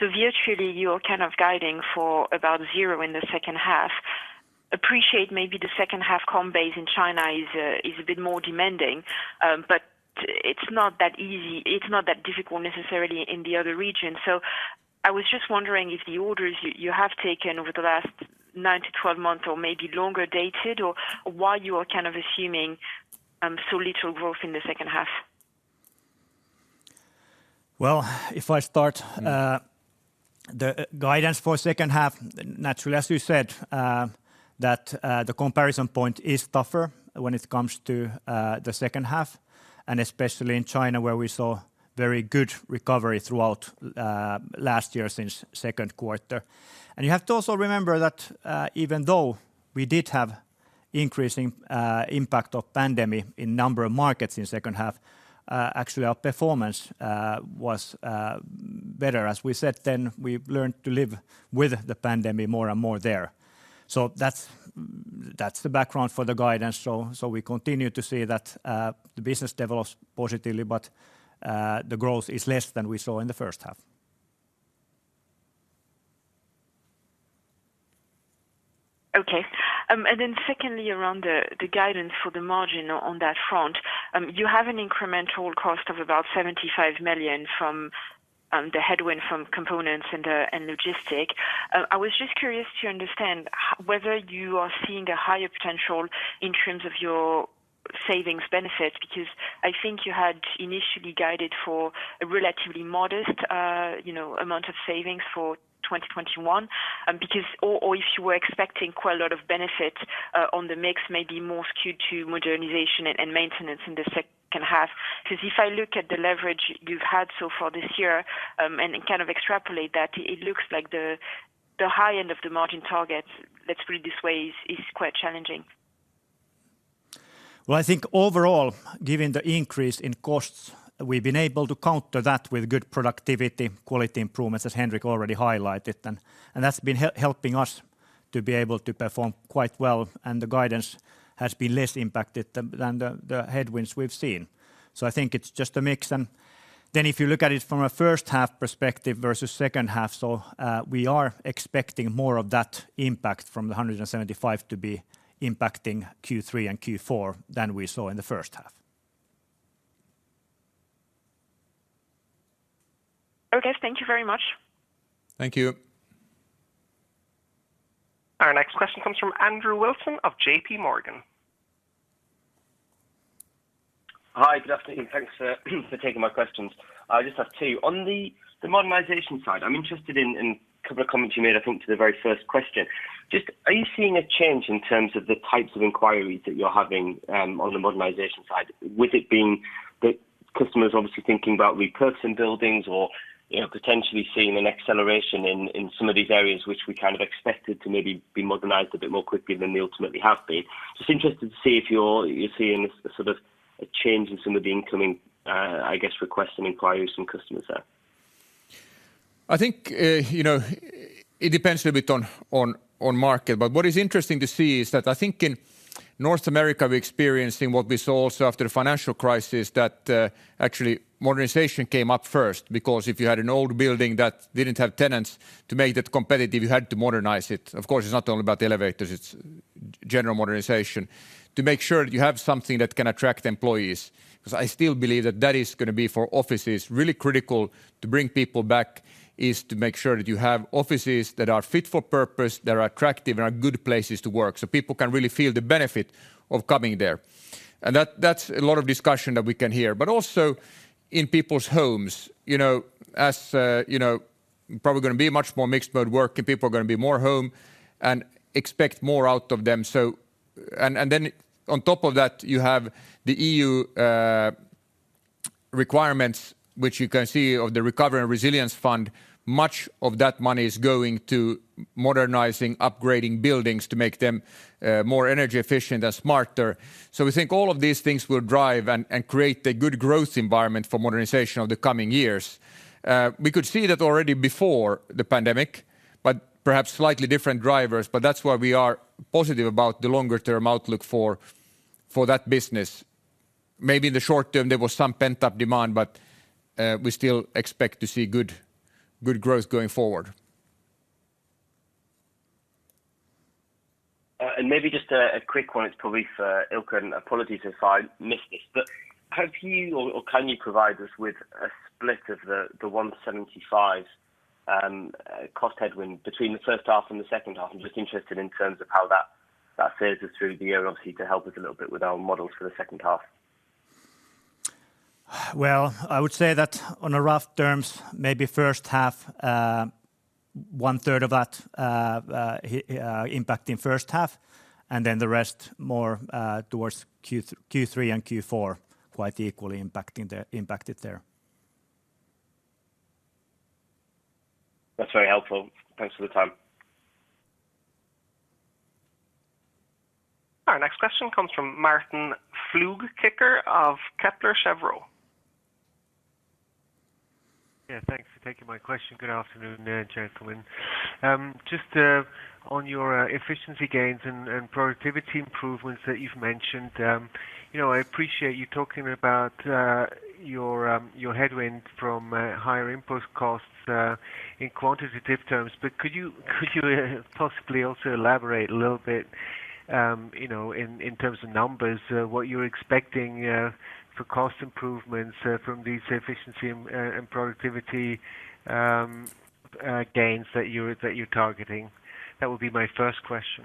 Virtually you're kind of guiding for about zero in the second half. Appreciate maybe the second half comp base in China is a bit more demanding. It's not that difficult necessarily in the other regions. I was just wondering if the orders you have taken over the last 9-12 months or maybe longer dated, or why you are kind of assuming so little growth in the second half. If I start the guidance for second half, naturally, as you said that the comparison point is tougher when it comes to the second half, and especially in China, where we saw very good recovery throughout last year since second quarter. You have to also remember that even though we did have increasing impact of pandemic in number of markets in the second half, actually our performance was better. As we said then, we learned to live with the pandemic more and more there. That's the background for the guidance. We continue to see that the business develops positively, but the growth is less than we saw in the first half. Okay. Secondly, around the guidance for the margin on that front. You have an incremental cost of about 175 million from the headwind from components and logistics. I was just curious to understand whether you are seeing a higher potential in terms of your savings benefits, because I think you had initially guided for a relatively modest amount of savings for 2021. If you were expecting quite a lot of benefit on the mix, maybe more skewed to modernization and maintenance in the second half. If I look at the leverage you've had so far this year, and kind of extrapolate that, it looks like the high end of the margin target, let's put it this way, is quite challenging. Well, I think overall, given the increase in costs, we've been able to counter that with good productivity quality improvements, as Henrik already highlighted, and that's been helping us to be able to perform quite well. The guidance has been less impacted than the headwinds we've seen. I think it's just a mix. If you look at it from a first half perspective versus second half, we are expecting more of that impact from the 175 to be impacting Q3 and Q4 than we saw in the first half. Okay. Thank you very much. Thank you. Our next question comes from Andrew Wilson of JPMorgan. Hi, good afternoon. Thanks for taking my questions. I just have two. On the modernization side, I'm interested in a couple of comments you made, I think, to the very first question. Just are you seeing a change in terms of the types of inquiries that you're having on the modernization side? With it being that customers obviously thinking about repurposing buildings or potentially seeing an acceleration in some of these areas which we kind of expected to maybe be modernized a bit more quickly than they ultimately have been. Just interested to see if you're seeing a sort of change in some of the incoming requests and inquiries from customers there? I think it depends a bit on market, but what is interesting to see is that I think in North America, we're experiencing what we saw also after the financial crisis, that actually modernization came up first because if you had an old building that didn't have tenants to make it competitive, you had to modernize it. Of course, it's not only about the elevators, it's general modernization to make sure that you have something that can attract employees. I still believe that that is going to be for offices really critical to bring people back is to make sure that you have offices that are fit for purpose, that are attractive and are good places to work, so people can really feel the benefit of coming there. That's a lot of discussion that we can hear, but also in people's homes. Probably going to be a much more mixed mode work and people are going to be more home and expect more out of them. On top of that, you have the EU requirements, which you can see of the Recovery and Resilience Facility. Much of that money is going to modernizing, upgrading buildings to make them more energy efficient and smarter. We think all of these things will drive and create a good growth environment for modernization over the coming years. We could see that already before the pandemic, perhaps slightly different drivers. That's why we are positive about the longer-term outlook for that business. Maybe in the short term, there was some pent-up demand, we still expect to see good growth going forward. Maybe just a quick one. It's probably for Ilkka, and apologies if I missed this, but have you or can you provide us with a split of the 175 cost headwind between the first half and the second half? I'm just interested in terms of how that fares us through the year, obviously to help us a little bit with our models for the second half. Well, I would say that on a rough terms, maybe first half, one third of that impact in first half, and then the rest more towards Q3 and Q4, quite equally impacted there. That's very helpful. Thanks for the time. Our next question comes from Martin Flueckiger of Kepler Cheuvreux. Yeah, thanks for taking my question. Good afternoon, gentlemen. Just on your efficiency gains and productivity improvements that you've mentioned. I appreciate you talking about your headwinds from higher input costs in quantitative terms, but could you possibly also elaborate a little bit, in terms of numbers what you're expecting for cost improvements from these efficiency and productivity gains that you're targeting? That would be my first question.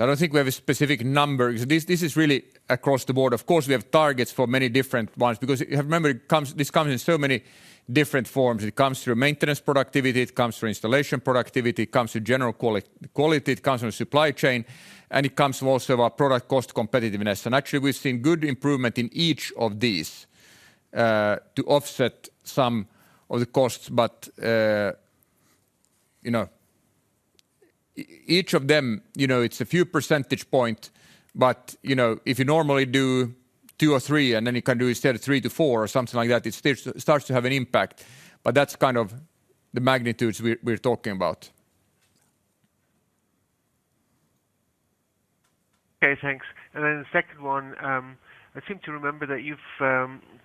I don't think we have a specific number, because this is really across the board. Of course, we have targets for many different ones, because you have to remember, this comes in so many different forms. It comes through maintenance productivity, it comes through installation productivity, it comes through general quality, it comes from supply chain, and it comes from also our product cost competitiveness. Actually, we've seen good improvement in each of these to offset some of the costs. Each of them, it's a few percentage point, but if you normally do two or three, and then you can do instead of three to four or something like that, it starts to have an impact. That's kind of the magnitudes we're talking about. Okay, thanks. The second one, I seem to remember that you've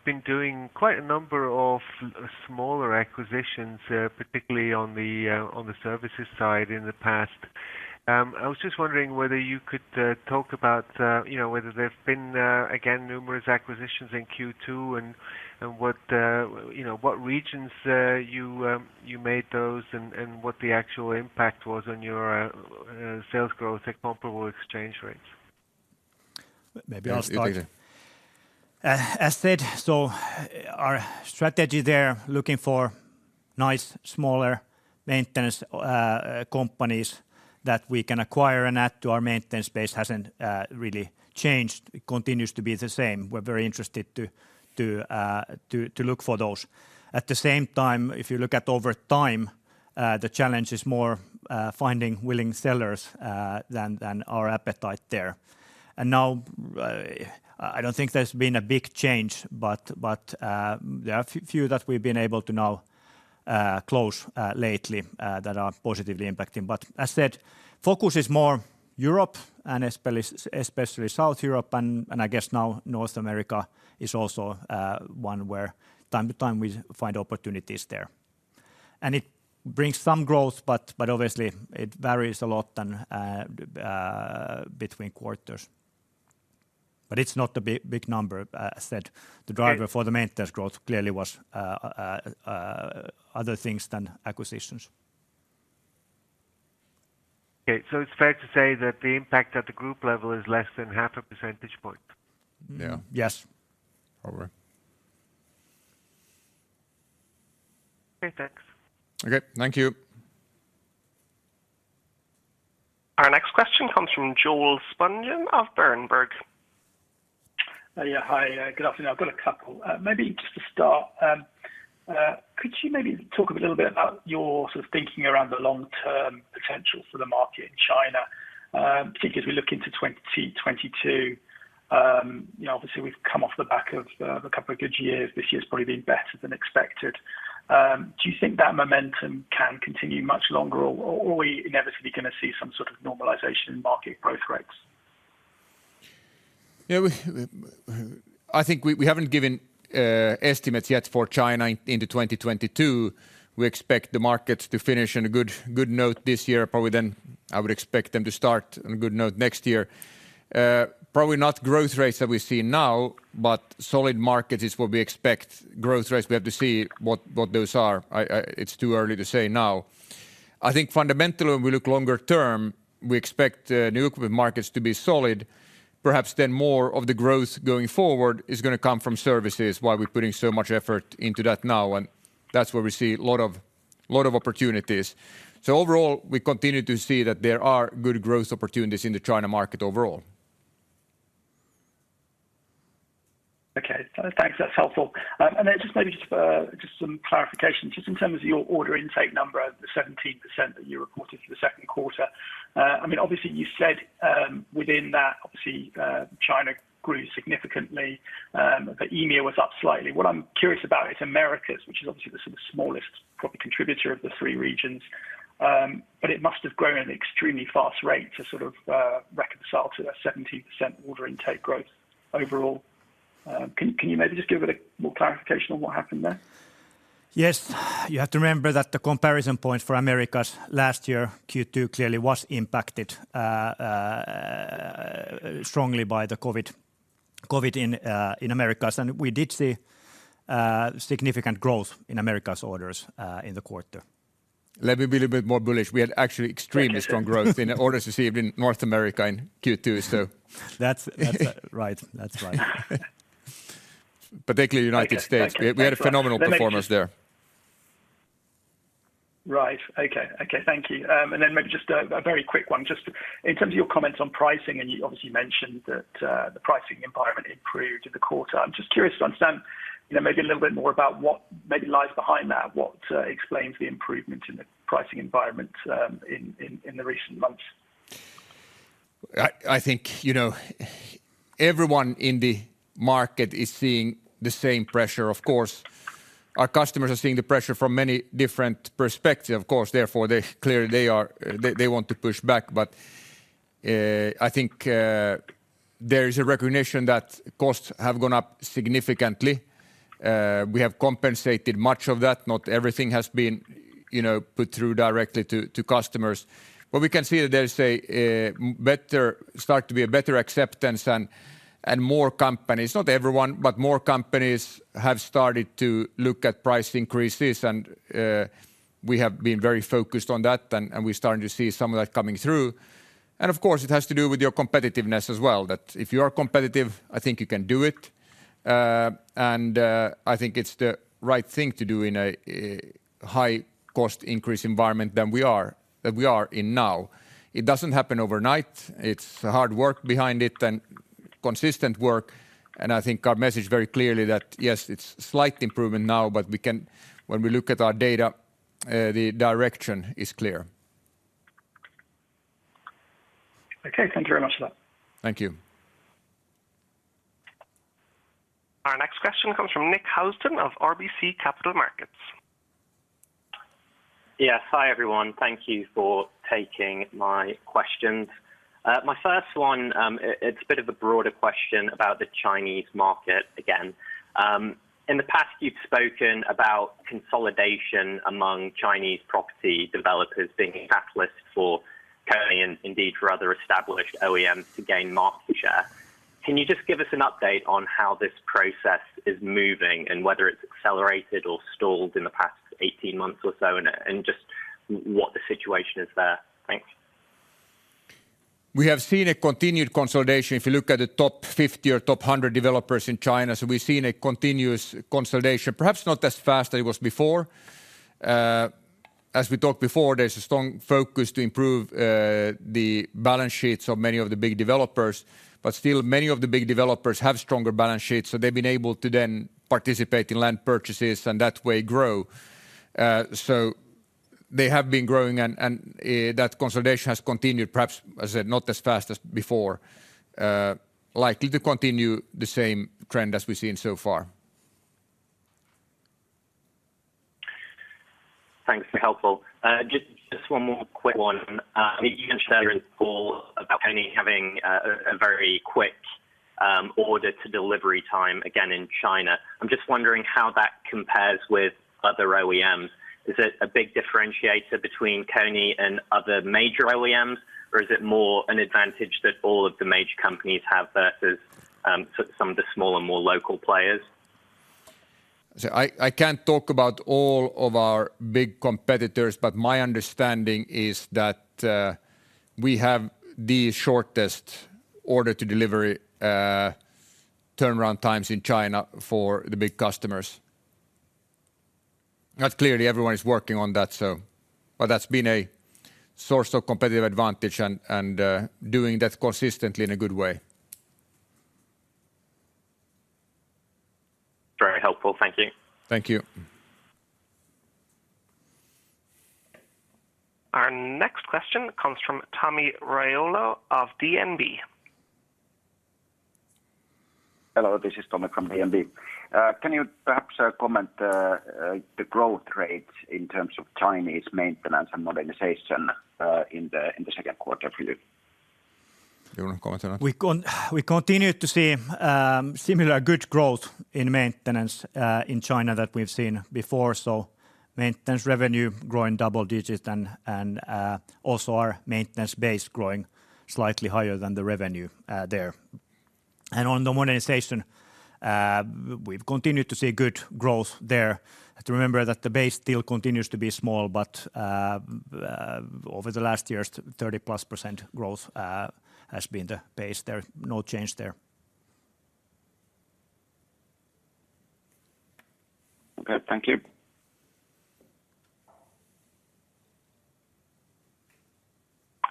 been doing quite a number of smaller acquisitions, particularly on the services side in the past. I was just wondering whether you could talk about whether there have been, again, numerous acquisitions in Q2, and what regions you made those, and what the actual impact was on your sales growth at comparable exchange rates. Maybe I'll start. You begin. As said, our strategy there, looking for nice smaller maintenance companies that we can acquire and add to our maintenance base hasn't really changed. It continues to be the same. We're very interested to look for those. At the same time, if you look at over time, the challenge is more finding willing sellers than our appetite there. Now, I don't think there's been a big change, but there are a few that we've been able to now close lately that are positively impacting. As said, focus is more Europe and especially South Europe and I guess now North America is also one where time to time we find opportunities there. It brings some growth but obviously it varies a lot between quarters. It's not a big number. As I said, the driver for the maintenance growth clearly was other things than acquisitions. Okay, it's fair to say that the impact at the group level is less than half a percentage point? Yeah. Yes. Probably. Okay, thanks. Okay, thank you. Our next question comes from Joel Spungin of Berenberg. Hi good afternoon. I've got a couple. Maybe just to start, could you maybe talk a little bit about your sort of thinking around the long-term potential for the market in China, particularly as we look into 2022. Obviously, we've come off the back of two good years. This year's probably been better than expected. Do you think that momentum can continue much longer, or are we inevitably going to see some sort of normalization in market growth rates? We haven't given estimates yet for China into 2022. We expect the markets to finish on a good note this year, probably then I would expect them to start on a good note next year. Probably not growth rates that we see now, but solid markets is what we expect. Growth rates, we have to see what those are. It's too early to say now. Fundamentally, when we look longer term, we expect new equipment markets to be solid, perhaps then more of the growth going forward is going to come from services, why we're putting so much effort into that now, and that's where we see lot of opportunities. Overall, we continue to see that there are good growth opportunities in the China market overall. Okay. Thanks, that's helpful. Maybe just some clarification, just in terms of your order intake number, the 17% that you reported for the second quarter. Obviously you said within that, obviously China grew significantly, the EMEA was up slightly. What I'm curious about is Americas, which is obviously the sort of smallest probably contributor of the three regions. It must have grown at an extremely fast rate to sort of reconcile to that 17% order intake growth overall. Can you maybe just give it a more clarification on what happened there? Yes. You have to remember that the comparison point for Americas last year, Q2 clearly was impacted strongly by the COVID in Americas, and we did see significant growth in Americas orders in the quarter. Let me be a bit more bullish. We had actually extremely strong growth in orders received in North America in Q2. That's right. Particularly United States. We had a phenomenal performance there. Right. Okay. Thank you. Maybe just a very quick one. Just in terms of your comments on pricing, and you obviously mentioned that the pricing environment improved in the quarter. I'm just curious to understand maybe a little bit more about what maybe lies behind that. What explains the improvement in the pricing environment in the recent months? I think, everyone in the market is seeing the same pressure, of course. Our customers are seeing the pressure from many different perspectives, of course, therefore it's clear they want to push back. I think there is a recognition that costs have gone up significantly. We have compensated much of that. Not everything has been put through directly to customers. We can see that there start to be a better acceptance and more companies, not everyone, but more companies have started to look at price increases and we have been very focused on that and we're starting to see some of that coming through. Of course, it has to do with your competitiveness as well, that if you are competitive, I think you can do it. I think it's the right thing to do in a high cost increase environment that we are in now. It doesn't happen overnight. It's hard work behind it and consistent work. I think our message very clearly that, yes, it's slight improvement now, but when we look at our data, the direction is clear. Okay. Thank you very much for that. Thank you. Our next question comes from Nick Housden of RBC Capital Markets. Yes. Hi, everyone. Thank you for taking my questions. My first one, it's a bit of a broader question about the Chinese market again. In the past, you've spoken about consolidation among Chinese property developers being a catalyst for KONE and indeed for other established OEMs to gain market share. Can you just give us an update on how this process is moving and whether it's accelerated or stalled in the past 18 months or so, and just what the situation is there? Thanks. We have seen a continued consolidation. If you look at the top 50 or top 100 developers in China, we've seen a continuous consolidation, perhaps not as fast as it was before. As we talked before, there's a strong focus to improve the balance sheets of many of the big developers. Still, many of the big developers have stronger balance sheets, they've been able to then participate in land purchases and that way grow. They have been growing, and that consolidation has continued, perhaps, as I said, not as fast as before. Likely to continue the same trend as we've seen so far. Thanks. Very helpful. Just one more quick one. You mentioned earlier in the call about KONE having a very quick order to delivery time again in China. I'm just wondering how that compares with other OEMs. Is it a big differentiator between KONE and other major OEMs, or is it more an advantage that all of the major companies have versus some of the smaller, more local players? I can't talk about all of our big competitors, but my understanding is that we have the shortest order to delivery turnaround times in China for the big customers. Clearly everyone is working on that. That's been a source of competitive advantage and doing that consistently in a good way. Very helpful. Thank you. Thank you. Our next question comes from Tomi Railo of DNB. Hello, this is Tomi from DNB. Can you perhaps comment the growth rate in terms of Chinese maintenance and modernization in the second quarter for you? IIkka Harra, comment on that. We continue to see similar good growth in maintenance in China that we've seen before. Maintenance revenue growing double-digit and also our maintenance base growing slightly higher than the revenue there. On the modernization, we've continued to see good growth there. Have to remember that the base still continues to be small, but over the last year, 30-plus% growth has been the base there. No change there. Okay. Thank you.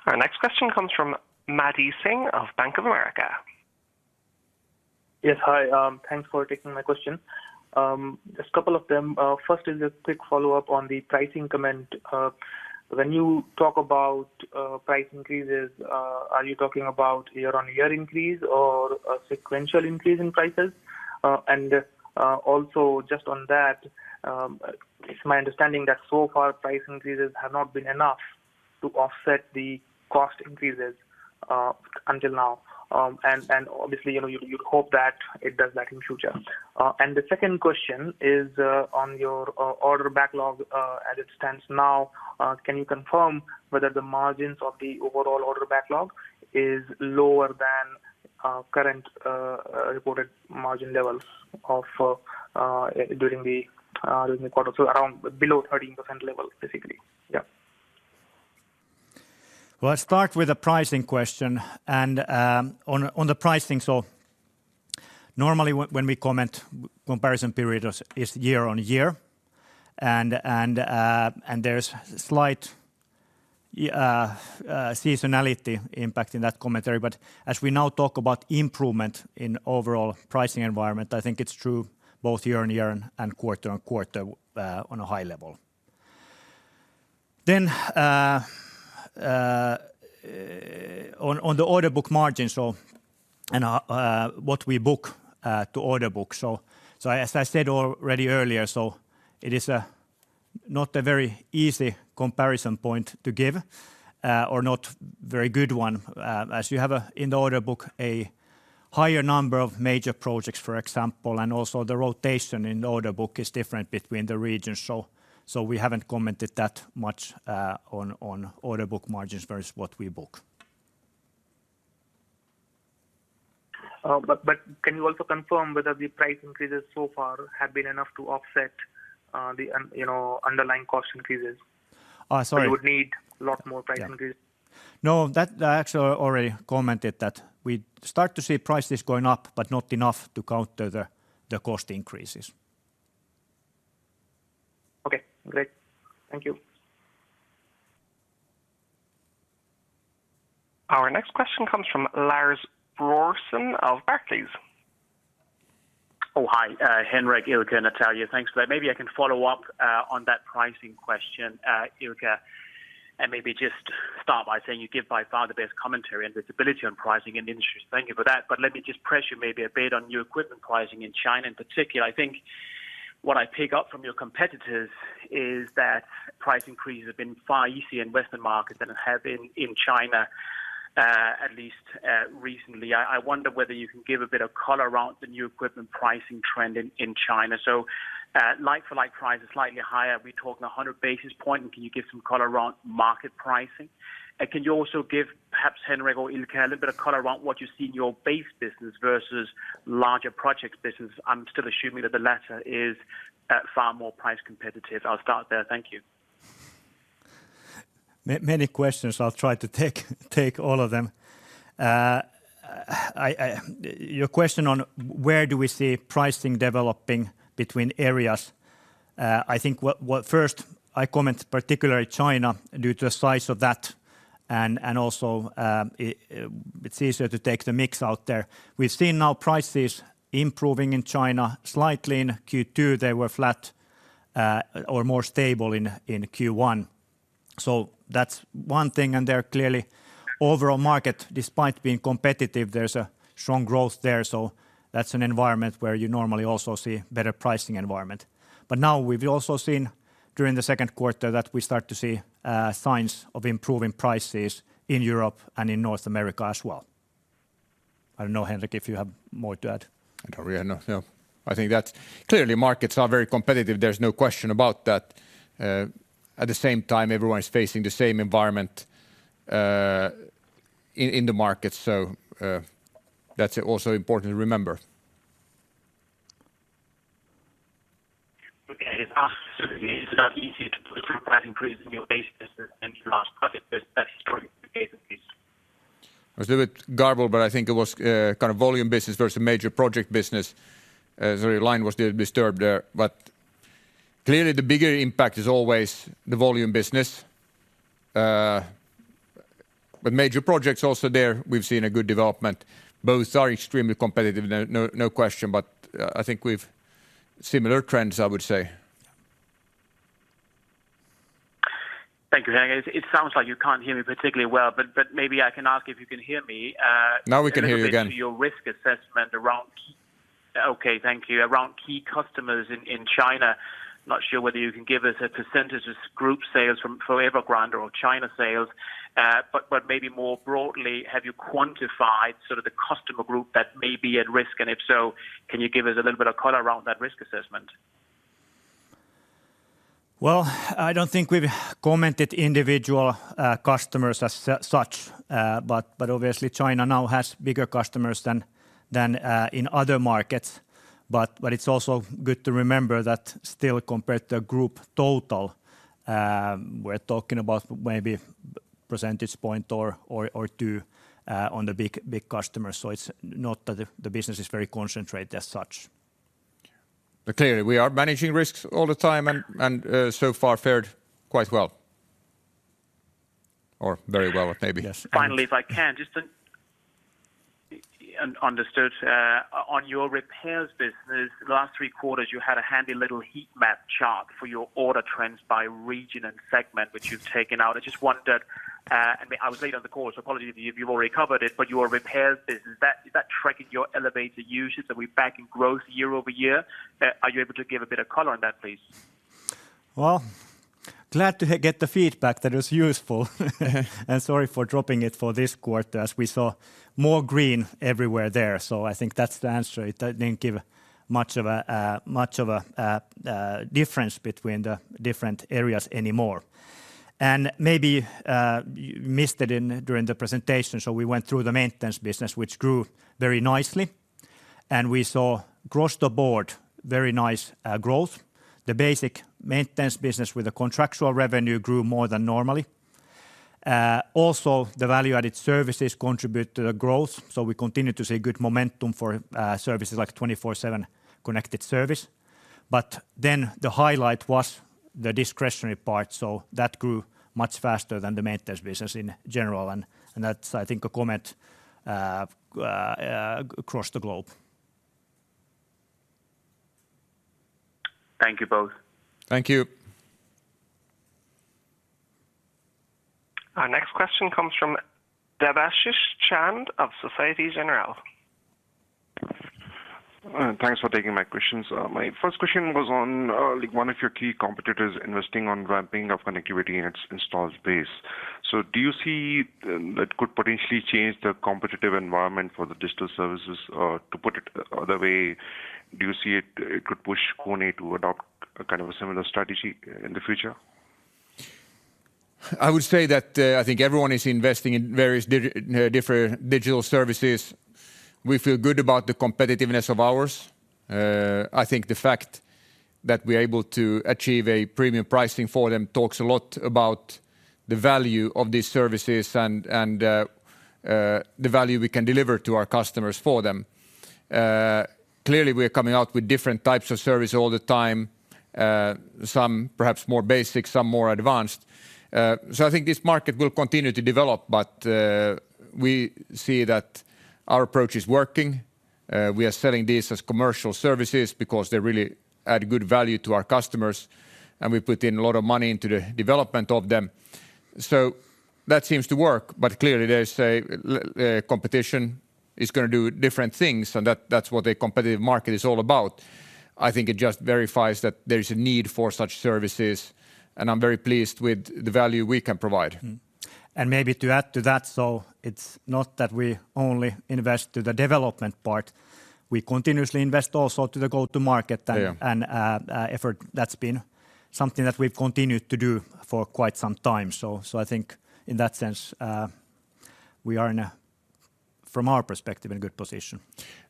Our next question comes from Marty Singh of Bank of America. Yes, hi. Thanks for taking my question. Just a couple of them. First is a quick follow-up on the pricing comment. When you talk about price increases, are you talking about year-on-year increase or a sequential increase in prices? It's my understanding that so far price increases have not been enough to offset the cost increases until now. Obviously, you'd hope that it does that in future. The second question is on your order backlog as it stands now. Can you confirm whether the margins of the overall order backlog is lower than current reported margin levels during the quarter below 13% level, basically. Yeah. I'll start with the pricing question. On the pricing, normally when we comment, comparison period is year-over-year. There's slight seasonality impact in that commentary, but as we now talk about improvement in overall pricing environment, I think it's true both year-over-year and quarter-over-quarter on a high level. On the order book margins, and what we book to order book. As I said already earlier, it is not a very easy comparison point to give or not very good one as you have in the order book a higher number of major projects, for example, and also the rotation in order book is different between the regions. We haven't commented that much on order book margins versus what we book. Can you also confirm whether the price increases so far have been enough to offset the underlying cost increases? Sorry. You would need a lot more price increases? No, I actually already commented that we start to see prices going up, but not enough to counter the cost increases. Okay, great. Thank you. Our next question comes from Lars Brorson of Barclays. Oh, hi Henrik, Ilkka, and Natalia. Thanks for that. I can follow up on that pricing question, Ilkka, and maybe just start by saying you give by far the best commentary and visibility on pricing in the industry. Thank you for that. Let me just press you maybe a bit on new equipment pricing in China in particular. I think what I pick up from your competitors is that price increases have been far easier in Western markets than it have been in China at least recently. I wonder whether you can give a bit of color around the new equipment pricing trend in China. Like for like prices slightly higher, are we talking 100 basis point, and can you give some color around market pricing? Can you also give perhaps, Henrik or Ilkka, a little bit of color around what you see in your base business versus larger projects business? I'm still assuming that the latter is far more price competitive. I'll start there. Thank you. Many questions. I'll try to take all of them. Your question on where do we see pricing developing between areas? I think what first I comment particularly China due to the size of that and also it's easier to take the mix out there. We've seen now prices improving in China slightly in Q2. They were flat or more stable in Q1. That's one thing, and the clearly overall market despite being competitive, there's a strong growth there. That's an environment where you normally also see better pricing environment. Now we've also seen during the second quarter that we start to see signs of improving prices in Europe and in North America as well. I don't know, Henrik, if you have more to add. I don't really add no. I think that clearly markets are very competitive. There's no question about that. At the same time, everyone is facing the same environment in the market. That's also important to remember. Okay. It asked certainly is that easier to put through price increases in your base business than in your large project business? It was a little bit garbled, but I think it was kind of volume business versus major project business. Sorry, line was a little disturbed there. Clearly the bigger impact is always the volume business. Major projects also there, we've seen a good development. Both are extremely competitive, no question. I think we've similar trends, I would say. Thank you, Henrik. It sounds like you can't hear me particularly well, but maybe I can ask if you can hear me? Now we can hear you again. Okay, thank you. Around key customers in China. Not sure whether you can give us a percentage as group sales from Evergrande or China sales. Maybe more broadly, have you quantified sort of the customer group that may be at risk? If so, can you give us a little bit of color around that risk assessment? Well, I don't think we've commented individual customers as such. Obviously China now has bigger customers than in other markets. It's also good to remember that still compared to group total, we're talking about maybe percentage point or two on the big customer. It's not that the business is very concentrated as such. Clearly we are managing risks all the time and so far fared quite well or very well, maybe. Yes. If I can, just an understood on your repairs business, the last three quarters you had a handy little heat map chart for your order trends by region and segment, which you've taken out. I just wondered, I mean, I was late on the call, so apologies if you've already covered it, but your repairs business, is that tracking your elevator usage? Are we back in growth year-over-year? Are you able to give a bit of color on that, please? Well, glad to get the feedback that it was useful and sorry for dropping it for this quarter as we saw more green everywhere there. I think that's the answer. It didn't give much of a difference between the different areas anymore. And maybe you missed it during the presentation, we went through the maintenance business, which grew very nicely. We saw across the board very nice growth. The basic maintenance business with the contractual revenue grew more than normally. Also, the value-added services contribute to the growth, we continue to see good momentum for services like 24/7 Connected Services. The highlight was the discretionary part, that grew much faster than the maintenance business in general. That's, I think, a comment across the globe. Thank you both. Thank you. Our next question comes from Debashis Chand of Societe Generale. Thanks for taking my questions. My first question was on one of your key competitors investing on ramping of connectivity in its installed base. Do you see that could potentially change the competitive environment for the digital services? To put it other way, do you see it could push KONE to adopt a similar strategy in the future? I would say that I think everyone is investing in various different digital services. We feel good about the competitiveness of ours. I think the fact that we're able to achieve a premium pricing for them talks a lot about the value of these services and the value we can deliver to our customers for them. Clearly, we are coming out with different types of service all the time. Some perhaps more basic, some more advanced. I think this market will continue to develop, but we see that our approach is working. We are selling these as commercial services because they really add good value to our customers, and we put in a lot of money into the development of them. That seems to work. Clearly, competition is going to do different things, and that's what a competitive market is all about. I think it just verifies that there is a need for such services, and I'm very pleased with the value we can provide. Maybe to add to that, it's not that we only invest to the development part. We continuously invest also to the go-to-market. Yeah Effort. That's been something that we've continued to do for quite some time. I think in that sense, we are, from our perspective, in a good position.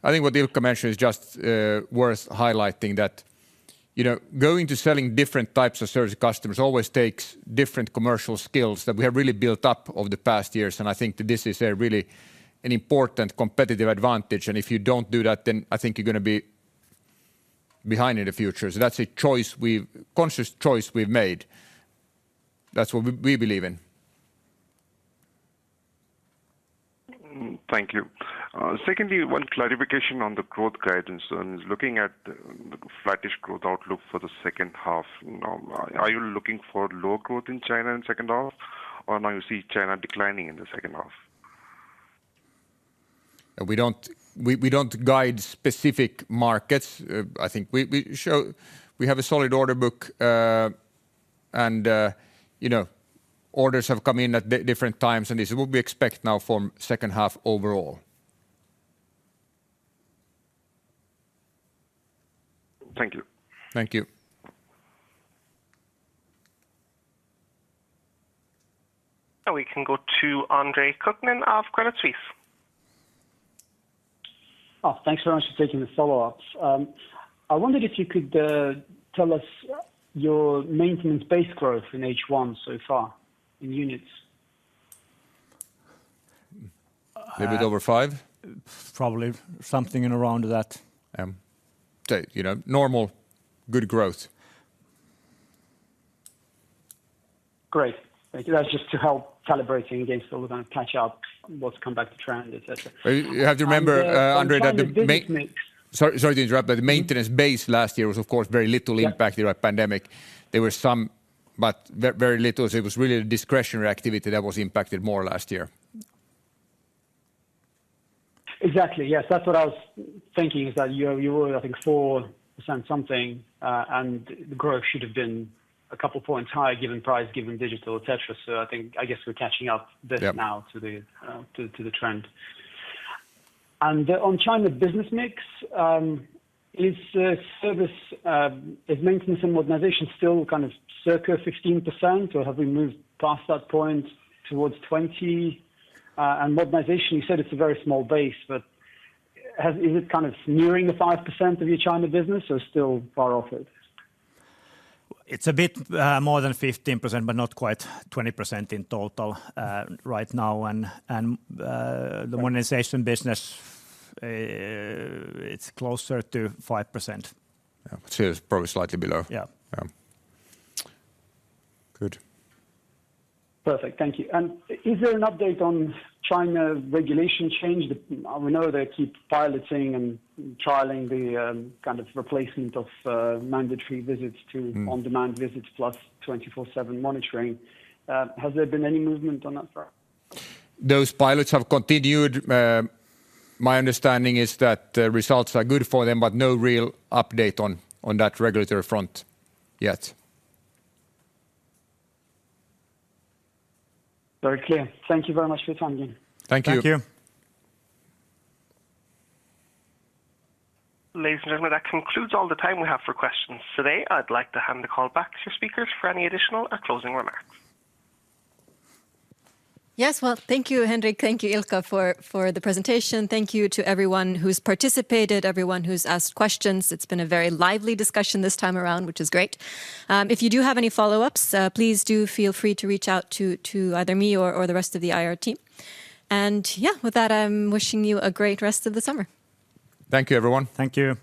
I think what Ilkka mentioned is just worth highlighting. That going to selling different types of service customers always takes different commercial skills that we have really built up over the past years, and I think that this is really an important competitive advantage. If you don't do that, then I think you're going to be behind in the future. That's a conscious choice we've made. That's what we believe in. Thank you. One clarification on the growth guidance, and is looking at the flattish growth outlook for the second half now. Are you looking for low growth in China in second half, or now you see China declining in the second half? We don't guide specific markets. I think we have a solid order book, and orders have come in at different times, and this is what we expect now from second half overall. Thank you. Thank you. Now we can go to Andre Kukhnin of Credit Suisse. Thanks very much for taking the follow-ups. I wondered if you could tell us your maintenance base growth in H1 so far in units. A bit over five. Probably something in around that. Yeah. Normal good growth. Great. Thank you. That's just to help calibrating against all of that and catch up what's come back to trend, et cetera. You have to remember, Andre. The China business mix. Sorry to interrupt, the maintenance base last year was, of course, very little impact. Yeah during the pandemic. There were some, but very little. It was really the discretionary activity that was impacted more last year. Exactly. Yes. That's what I was thinking, is that you were, I think, 4% something, and the growth should've been a couple points higher given price, given digital, et cetera. I guess we're catching up this now. Yeah to the trend. On China business mix, is maintenance and modernization still circa 16%, or have we moved past that point towards 20%? Modernization, you said it's a very small base, but is it nearing the 5% of your China business or still far off it? It's a bit more than 15%, but not quite 20% in total right now. The modernization business, it's closer to 5%. Yeah. It's probably slightly below. Yeah. Yeah. Good. Perfect. Thank you. Is there an update on China regulation change? We know they keep piloting and trialing the replacement of mandatory visits to on-demand visits plus 24/7 monitoring. Has there been any movement on that front? Those pilots have continued. My understanding is that the results are good for them, but no real update on that regulatory front yet. Very clear. Thank you very much for your time again. Thank you. Thank you. Ladies and gentlemen, that concludes all the time we have for questions today. I'd like to hand the call back to speakers for any additional or closing remarks. Yes. Well, thank you, Henrik, thank you, Ilkka, for the presentation. Thank you to everyone who's participated, everyone who's asked questions. It's been a very lively discussion this time around, which is great. If you do have any follow-ups, please do feel free to reach out to either me or the rest of the IR team. Yeah, with that, I'm wishing you a great rest of the summer. Thank you, everyone. Thank you.